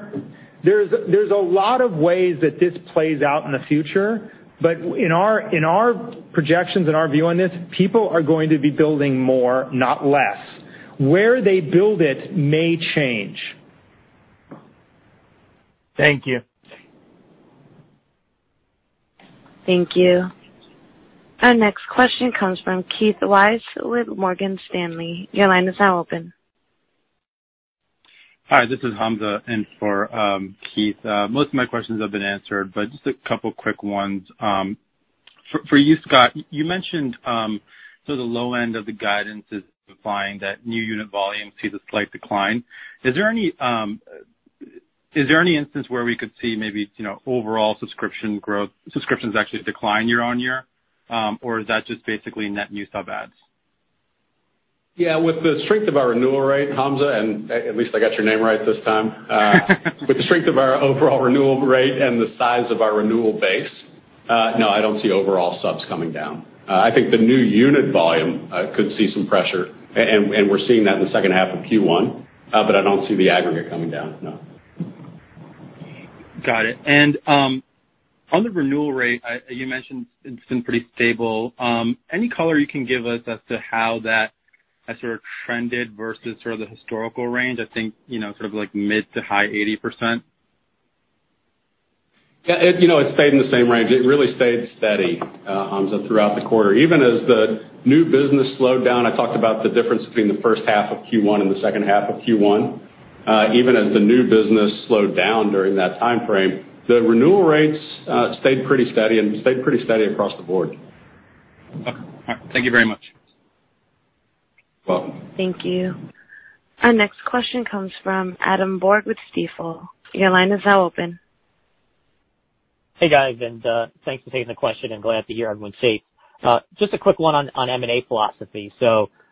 a lot of ways that this plays out in the future, but in our projections and our view on this, people are going to be building more, not less. Where they build it may change. Thank you. Thank you. Our next question comes from Keith Weiss with Morgan Stanley. Your line is now open. Hi, this is Hamza in for Keith. Most of my questions have been answered, just a couple quick ones. For you, Scott, you mentioned the low end of the guidance is implying that new unit volume sees a slight decline. Is there any instance where we could see maybe overall subscription growth, subscriptions actually decline year-over-year? Is that just basically net new sub adds? Yeah. With the strength of our renewal rate, Hamza, and at least I got your name right this time. With the strength of our overall renewal rate and the size of our renewal base, no, I don't see overall subs coming down. I think the new unit volume could see some pressure, and we're seeing that in the second half of Q1. I don't see the aggregate coming down, no. Got it. On the renewal rate, you mentioned it's been pretty stable. Any color you can give us as to how that has sort of trended versus the historical range? I think, sort of mid to high 80%? Yeah. It's stayed in the same range. It really stayed steady, Hamza, throughout the quarter. Even as the new business slowed down, I talked about the difference between the first half of Q1 and the second half of Q1. Even as the new business slowed down during that timeframe, the renewal rates stayed pretty steady across the board. Okay. All right. Thank you very much. Welcome. Thank you. Our next question comes from Adam Borg with Stifel. Your line is now open. Hey, guys, thanks for taking the question and glad to hear everyone's safe. Just a quick one on M&A philosophy.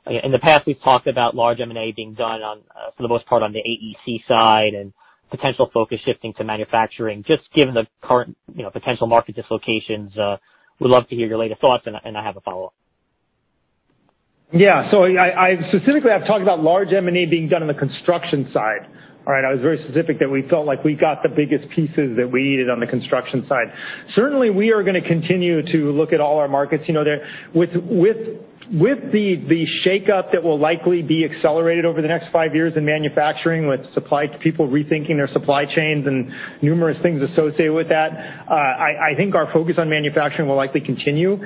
In the past, we've talked about large M&A being done on, for the most part, on the AEC side and potential focus shifting to manufacturing. Just given the current potential market dislocations, would love to hear your latest thoughts, and I have a follow-up. Yeah. Specifically, I've talked about large M&A being done on the construction side. I was very specific that we felt like we got the biggest pieces that we needed on the construction side. Certainly, we are going to continue to look at all our markets. With the shakeup that will likely be accelerated over the next five years in manufacturing, with people rethinking their supply chains and numerous things associated with that, I think our focus on manufacturing will likely continue.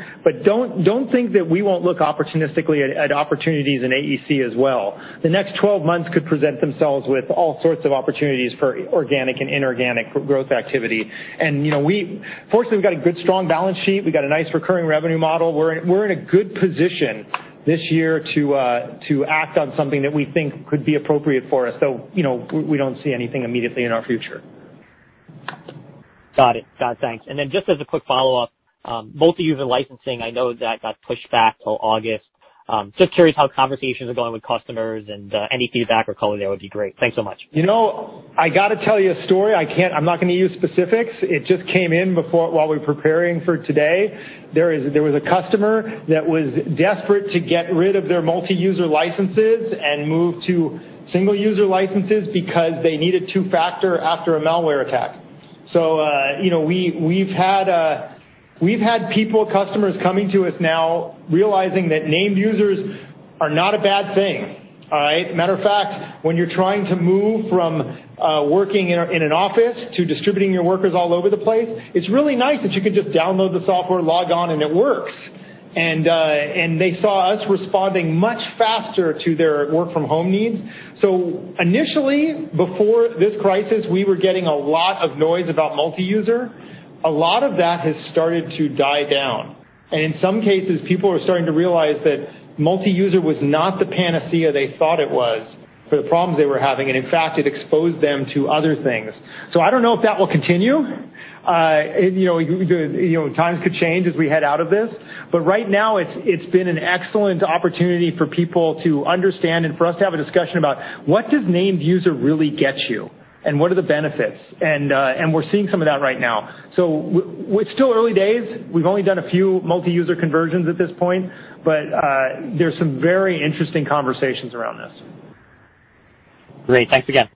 Don't think that we won't look opportunistically at opportunities in AEC as well. The next 12 months could present themselves with all sorts of opportunities for organic and inorganic growth activity. Fortunately, we've got a good, strong balance sheet. We've got a nice recurring revenue model. We're in a good position this year to act on something that we think could be appropriate for us. We don't see anything immediately in our future. Got it. Got it, thanks. Just as a quick follow-up, multi-user licensing, I know that got pushed back till August. Just curious how conversations are going with customers and any feedback or color there would be great. Thanks so much. I got to tell you a story. I'm not going to use specifics. It just came in while we were preparing for today. There was a customer that was desperate to get rid of their multi-user licenses and move to single-user licenses because they needed two-factor after a malware attack. We've had people, customers, coming to us now realizing that named users are not a bad thing. As a matter of fact, when you're trying to move from working in an office to distributing your workers all over the place, it's really nice that you can just download the software, log on, and it works. They saw us responding much faster to their work from home needs. Initially, before this crisis, we were getting a lot of noise about multi-user. A lot of that has started to die down, and in some cases, people are starting to realize that multi-user was not the panacea they thought it was for the problems they were having, and in fact, it exposed them to other things. I don't know if that will continue. Times could change as we head out of this. Right now, it's been an excellent opportunity for people to understand and for us to have a discussion about what does named user really get you and what are the benefits, and we're seeing some of that right now. It's still early days. We've only done a few multi-user conversions at this point, but there's some very interesting conversations around this. Great. Thanks again.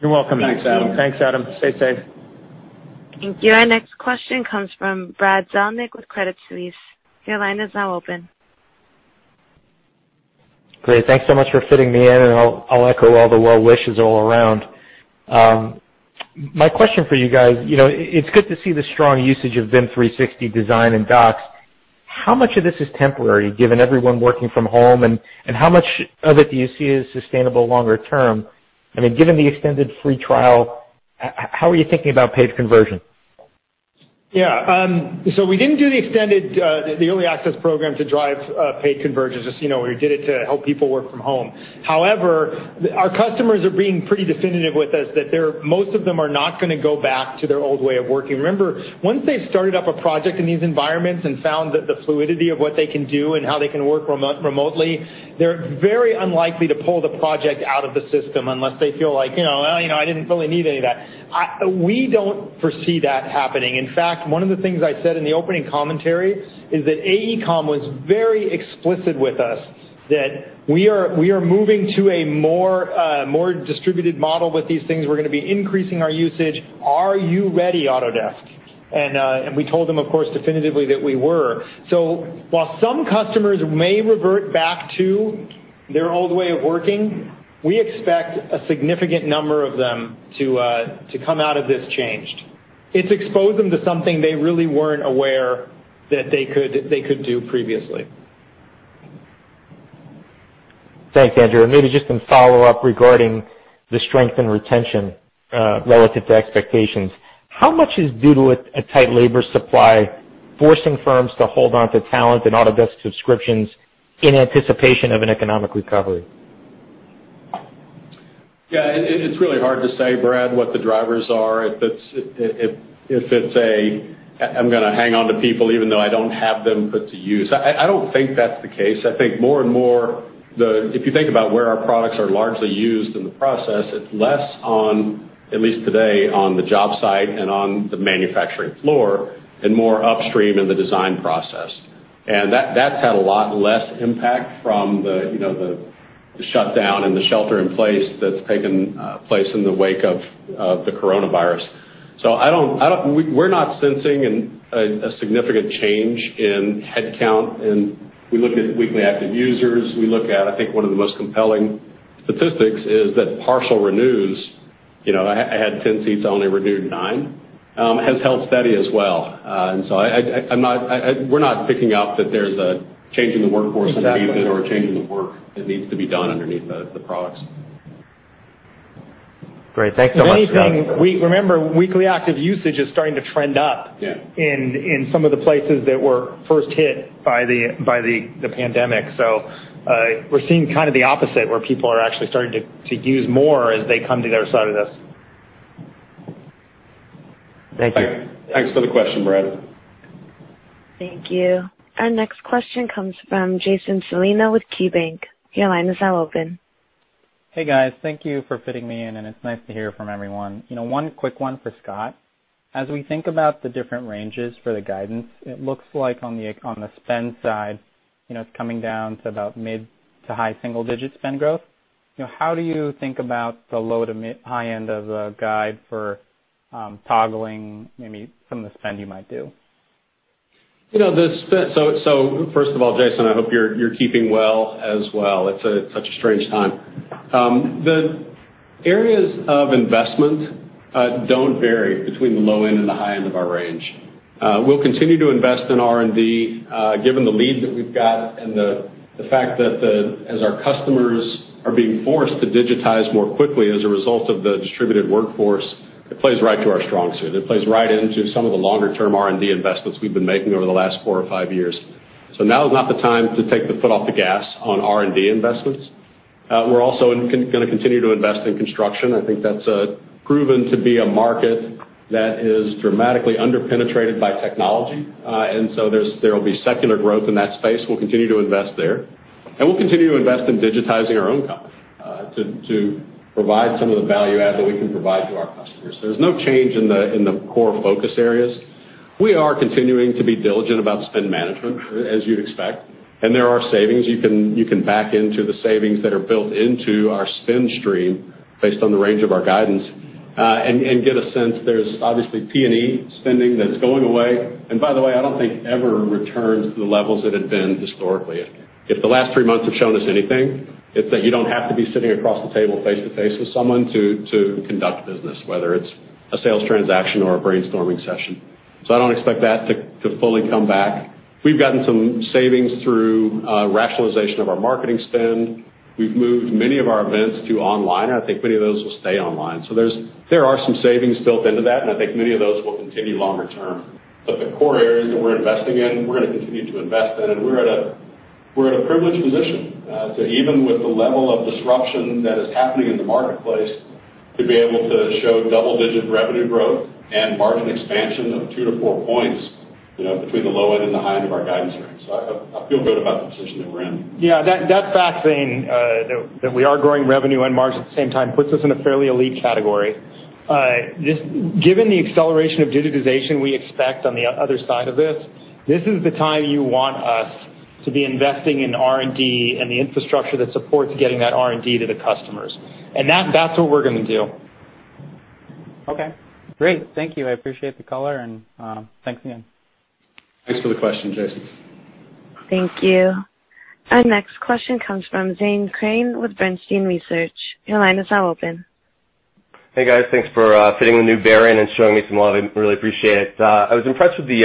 You're welcome. Thanks, Adam. Thanks, Adam. Stay safe. Thank you. Our next question comes from Brad Zelnick with Credit Suisse. Your line is now open. Great. Thanks so much for fitting me in. I'll echo all the well wishes all around. My question for you guys, it's good to see the strong usage of BIM 360 Design and Docs. How much of this is temporary, given everyone working from home, and how much of it do you see as sustainable longer term? Given the extended free trial, how are you thinking about paid conversion? Yeah. We didn't do the early access program to drive paid conversions. We did it to help people work from home. However, our customers are being pretty definitive with us that most of them are not going to go back to their old way of working. Remember, once they've started up a project in these environments and found the fluidity of what they can do and how they can work remotely, they're very unlikely to pull the project out of the system unless they feel like, "I didn't really need any of that." We don't foresee that happening. In fact, one of the things I said in the opening commentary is that AECOM was very explicit with us that, "We are moving to a more distributed model with these things. We're going to be increasing our usage. Are you ready, Autodesk? We told them, of course, definitively that we were. While some customers may revert back to their old way of working, we expect a significant number of them to come out of this changed. It's exposed them to something they really weren't aware that they could do previously. Thanks, Andrew. Maybe just some follow-up regarding the strength and retention relative to expectations. How much is due to a tight labor supply forcing firms to hold onto talent and Autodesk subscriptions in anticipation of an economic recovery? Yeah. It's really hard to say, Brad, what the drivers are, if it's a, "I'm going to hang on to people even though I don't have them put to use." I don't think that's the case. I think more and more, if you think about where our products are largely used in the process, it's less on, at least today, on the job site and on the manufacturing floor, and more upstream in the design process. That's had a lot less impact from the shutdown and the shelter in place that's taken place in the wake of the coronavirus. We're not sensing a significant change in headcount, and we look at weekly active users. I think one of the most compelling statistics is that partial renews, "I had 10 seats, I only renewed nine," has held steady as well. We're not picking up that there's a change in the workforce that needs it or a change in the work that needs to be done underneath the products. Great. Thanks so much. If anything, remember, weekly active usage is starting to trend up. Yeah in some of the places that were first hit by the pandemic. We're seeing the opposite, where people are actually starting to use more as they come to the other side of this. Thank you. Thanks for the question, Brad. Thank you. Our next question comes from Jason Celino with KeyBanc. Your line is now open. Hey guys, thank you for fitting me in. It's nice to hear from everyone. One quick one for Scott. As we think about the different ranges for the guidance, it looks like on the spend side, it's coming down to about mid-to-high single-digit spend growth. How do you think about the low-to-high end of the guide for toggling maybe some of the spend you might do? First of all, Jason, I hope you're keeping well as well. It's such a strange time. The areas of investment don't vary between the low end and the high end of our range. We'll continue to invest in R&D, given the lead that we've got and the fact that as our customers are being forced to digitize more quickly as a result of the distributed workforce, it plays right to our strong suit. It plays right into some of the longer-term R&D investments we've been making over the last four or five years. Now is not the time to take the foot off the gas on R&D investments. We're also going to continue to invest in construction. I think that's proven to be a market that is dramatically under-penetrated by technology. There will be secular growth in that space. We'll continue to invest there, and we'll continue to invest in digitizing our own company, to provide some of the value add that we can provide to our customers. There's no change in the core focus areas. We are continuing to be diligent about spend management, as you'd expect, and there are savings. You can back into the savings that are built into our spend stream based on the range of our guidance, and get a sense there's obviously T&E spending that's going away, and by the way, I don't think ever returns to the levels it had been historically. If the last three months have shown us anything, it's that you don't have to be sitting across the table face-to-face with someone to conduct business, whether it's a sales transaction or a brainstorming session. I don't expect that to fully come back. We've gotten some savings through rationalization of our marketing spend. We've moved many of our events to online. I think many of those will stay online. There are some savings built into that, and I think many of those will continue longer term. The core areas that we're investing in, we're going to continue to invest in, and we're in a privileged position to, even with the level of disruption that is happening in the marketplace, to be able to show double-digit revenue growth and margin expansion of 2 points-4 points between the low end and the high end of our guidance range. I feel good about the position that we're in. Yeah, that fact that we are growing revenue and margin at the same time puts us in a fairly elite category. Given the acceleration of digitization we expect on the other side of this is the time you want us to be investing in R&D and the infrastructure that supports getting that R&D to the customers. That's what we're going to do. Okay, great. Thank you. I appreciate the color and thanks again. Thanks for the question, Jason. Thank you. Our next question comes from Zane Chrane with Bernstein Research. Your line is now open. Hey guys, thanks for fitting the new bear in and showing me some love. I really appreciate it. I was impressed with the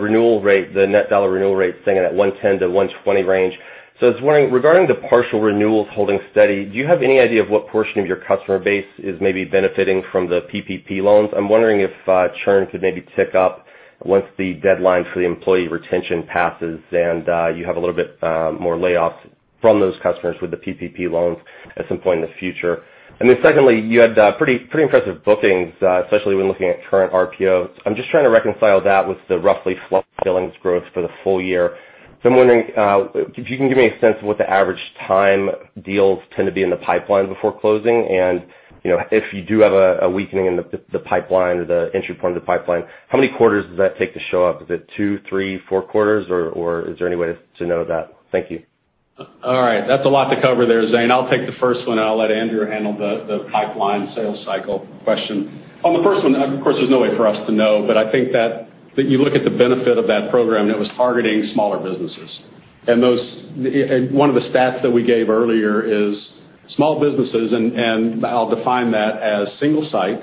renewal rate, the net dollar renewal rate staying in that 110-120 range. I was wondering, regarding the partial renewals holding steady, do you have any idea of what portion of your customer base is maybe benefiting from the PPP loans? I'm wondering if churn could maybe tick up once the deadline for the employee retention passes and you have a little bit more layoffs from those customers with the PPP loans at some point in the future. Secondly, you had pretty impressive bookings, especially when looking at current RPOs. I'm just trying to reconcile that with the roughly flat billings growth for the full year. I'm wondering if you can give me a sense of what the average time deals tend to be in the pipeline before closing? If you do have a weakening in the pipeline or the entry point of the pipeline, how many quarters does that take to show up? Is it two, three, Q4, or is there any way to know that? Thank you. All right. That's a lot to cover there, Zane. I'll take the first one, and I'll let Andrew handle the pipeline sales cycle question. I think that you look at the benefit of that program that was targeting smaller businesses. One of the stats that we gave earlier is small businesses, and I'll define that as single site,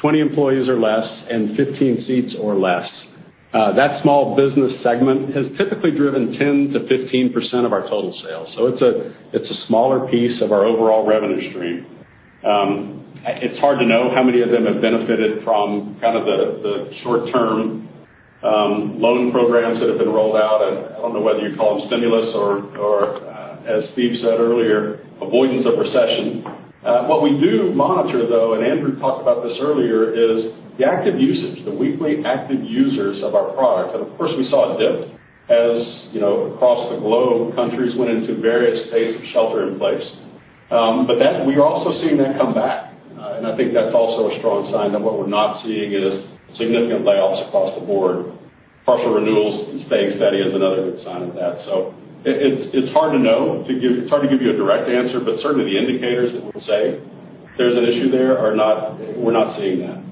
20 employees or less, and 15 seats or less. That small business segment has typically driven 10%-15% of our total sales. It's a smaller piece of our overall revenue stream. It's hard to know how many of them have benefited from kind of the short-term loan programs that have been rolled out. I don't know whether you'd call them stimulus or, as Steve said earlier, avoidance of recession. What we do monitor, though, and Andrew talked about this earlier, is the active usage, the weekly active users of our product. Of course, we saw a dip as across the globe, countries went into various phases of shelter in place. We are also seeing that come back, and I think that's also a strong sign that what we're not seeing is significant layoffs across the board. Partial renewals staying steady is another good sign of that. It's hard to know. It's hard to give you a direct answer, but certainly the indicators that would say there's an issue there, we're not seeing that.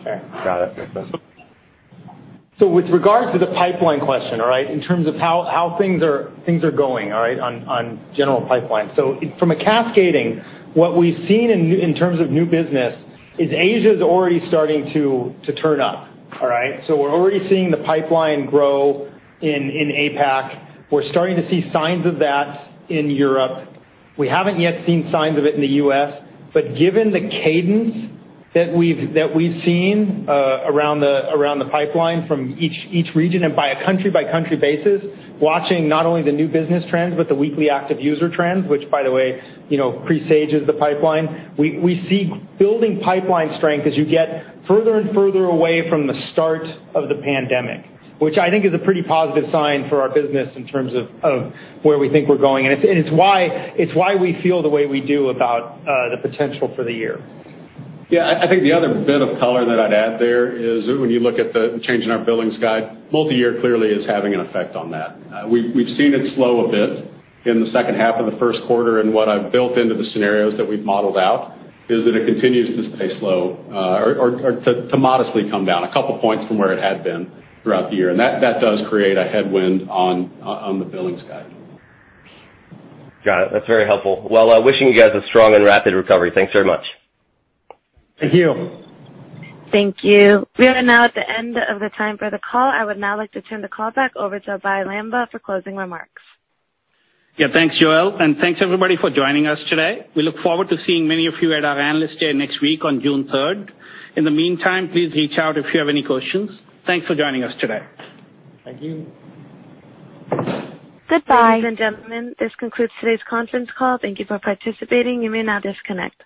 Okay. Got it. With regards to the pipeline question, all right, in terms of how things are going on general pipeline. From a cascading, what we've seen in terms of new business is Asia's already starting to turn up. We're already seeing the pipeline grow in APAC. We're starting to see signs of that in Europe. We haven't yet seen signs of it in the U.S., but given the cadence that we've seen around the pipeline from each region and by a country-by-country basis, watching not only the new business trends, but the weekly active user trends, which by the way presages the pipeline, we see building pipeline strength as you get further and further away from the start of the pandemic, which I think is a pretty positive sign for our business in terms of where we think we're going. It's why we feel the way we do about the potential for the year. Yeah, I think the other bit of color that I'd add there is when you look at the change in our billings guide, multi-year clearly is having an effect on that. We've seen it slow a bit in the second half of the Q1, and what I've built into the scenarios that we've modeled out is that it continues to stay slow or to modestly come down a couple points from where it had been throughout the year. That does create a headwind on the billings guide. Got it. That's very helpful. Well, wishing you guys a strong and rapid recovery. Thanks very much. Thank you. Thank you. We are now at the end of the time for the call. I would now like to turn the call back over to Abhey Lamba for closing remarks. Yeah, thanks, Joelle, and thanks everybody for joining us today. We look forward to seeing many of you at our Analyst Day next week on June 3rd. In the meantime, please reach out if you have any questions. Thanks for joining us today. Thank you. Goodbye. Ladies and gentlemen, this concludes today's conference call. Thank you for participating. You may now disconnect.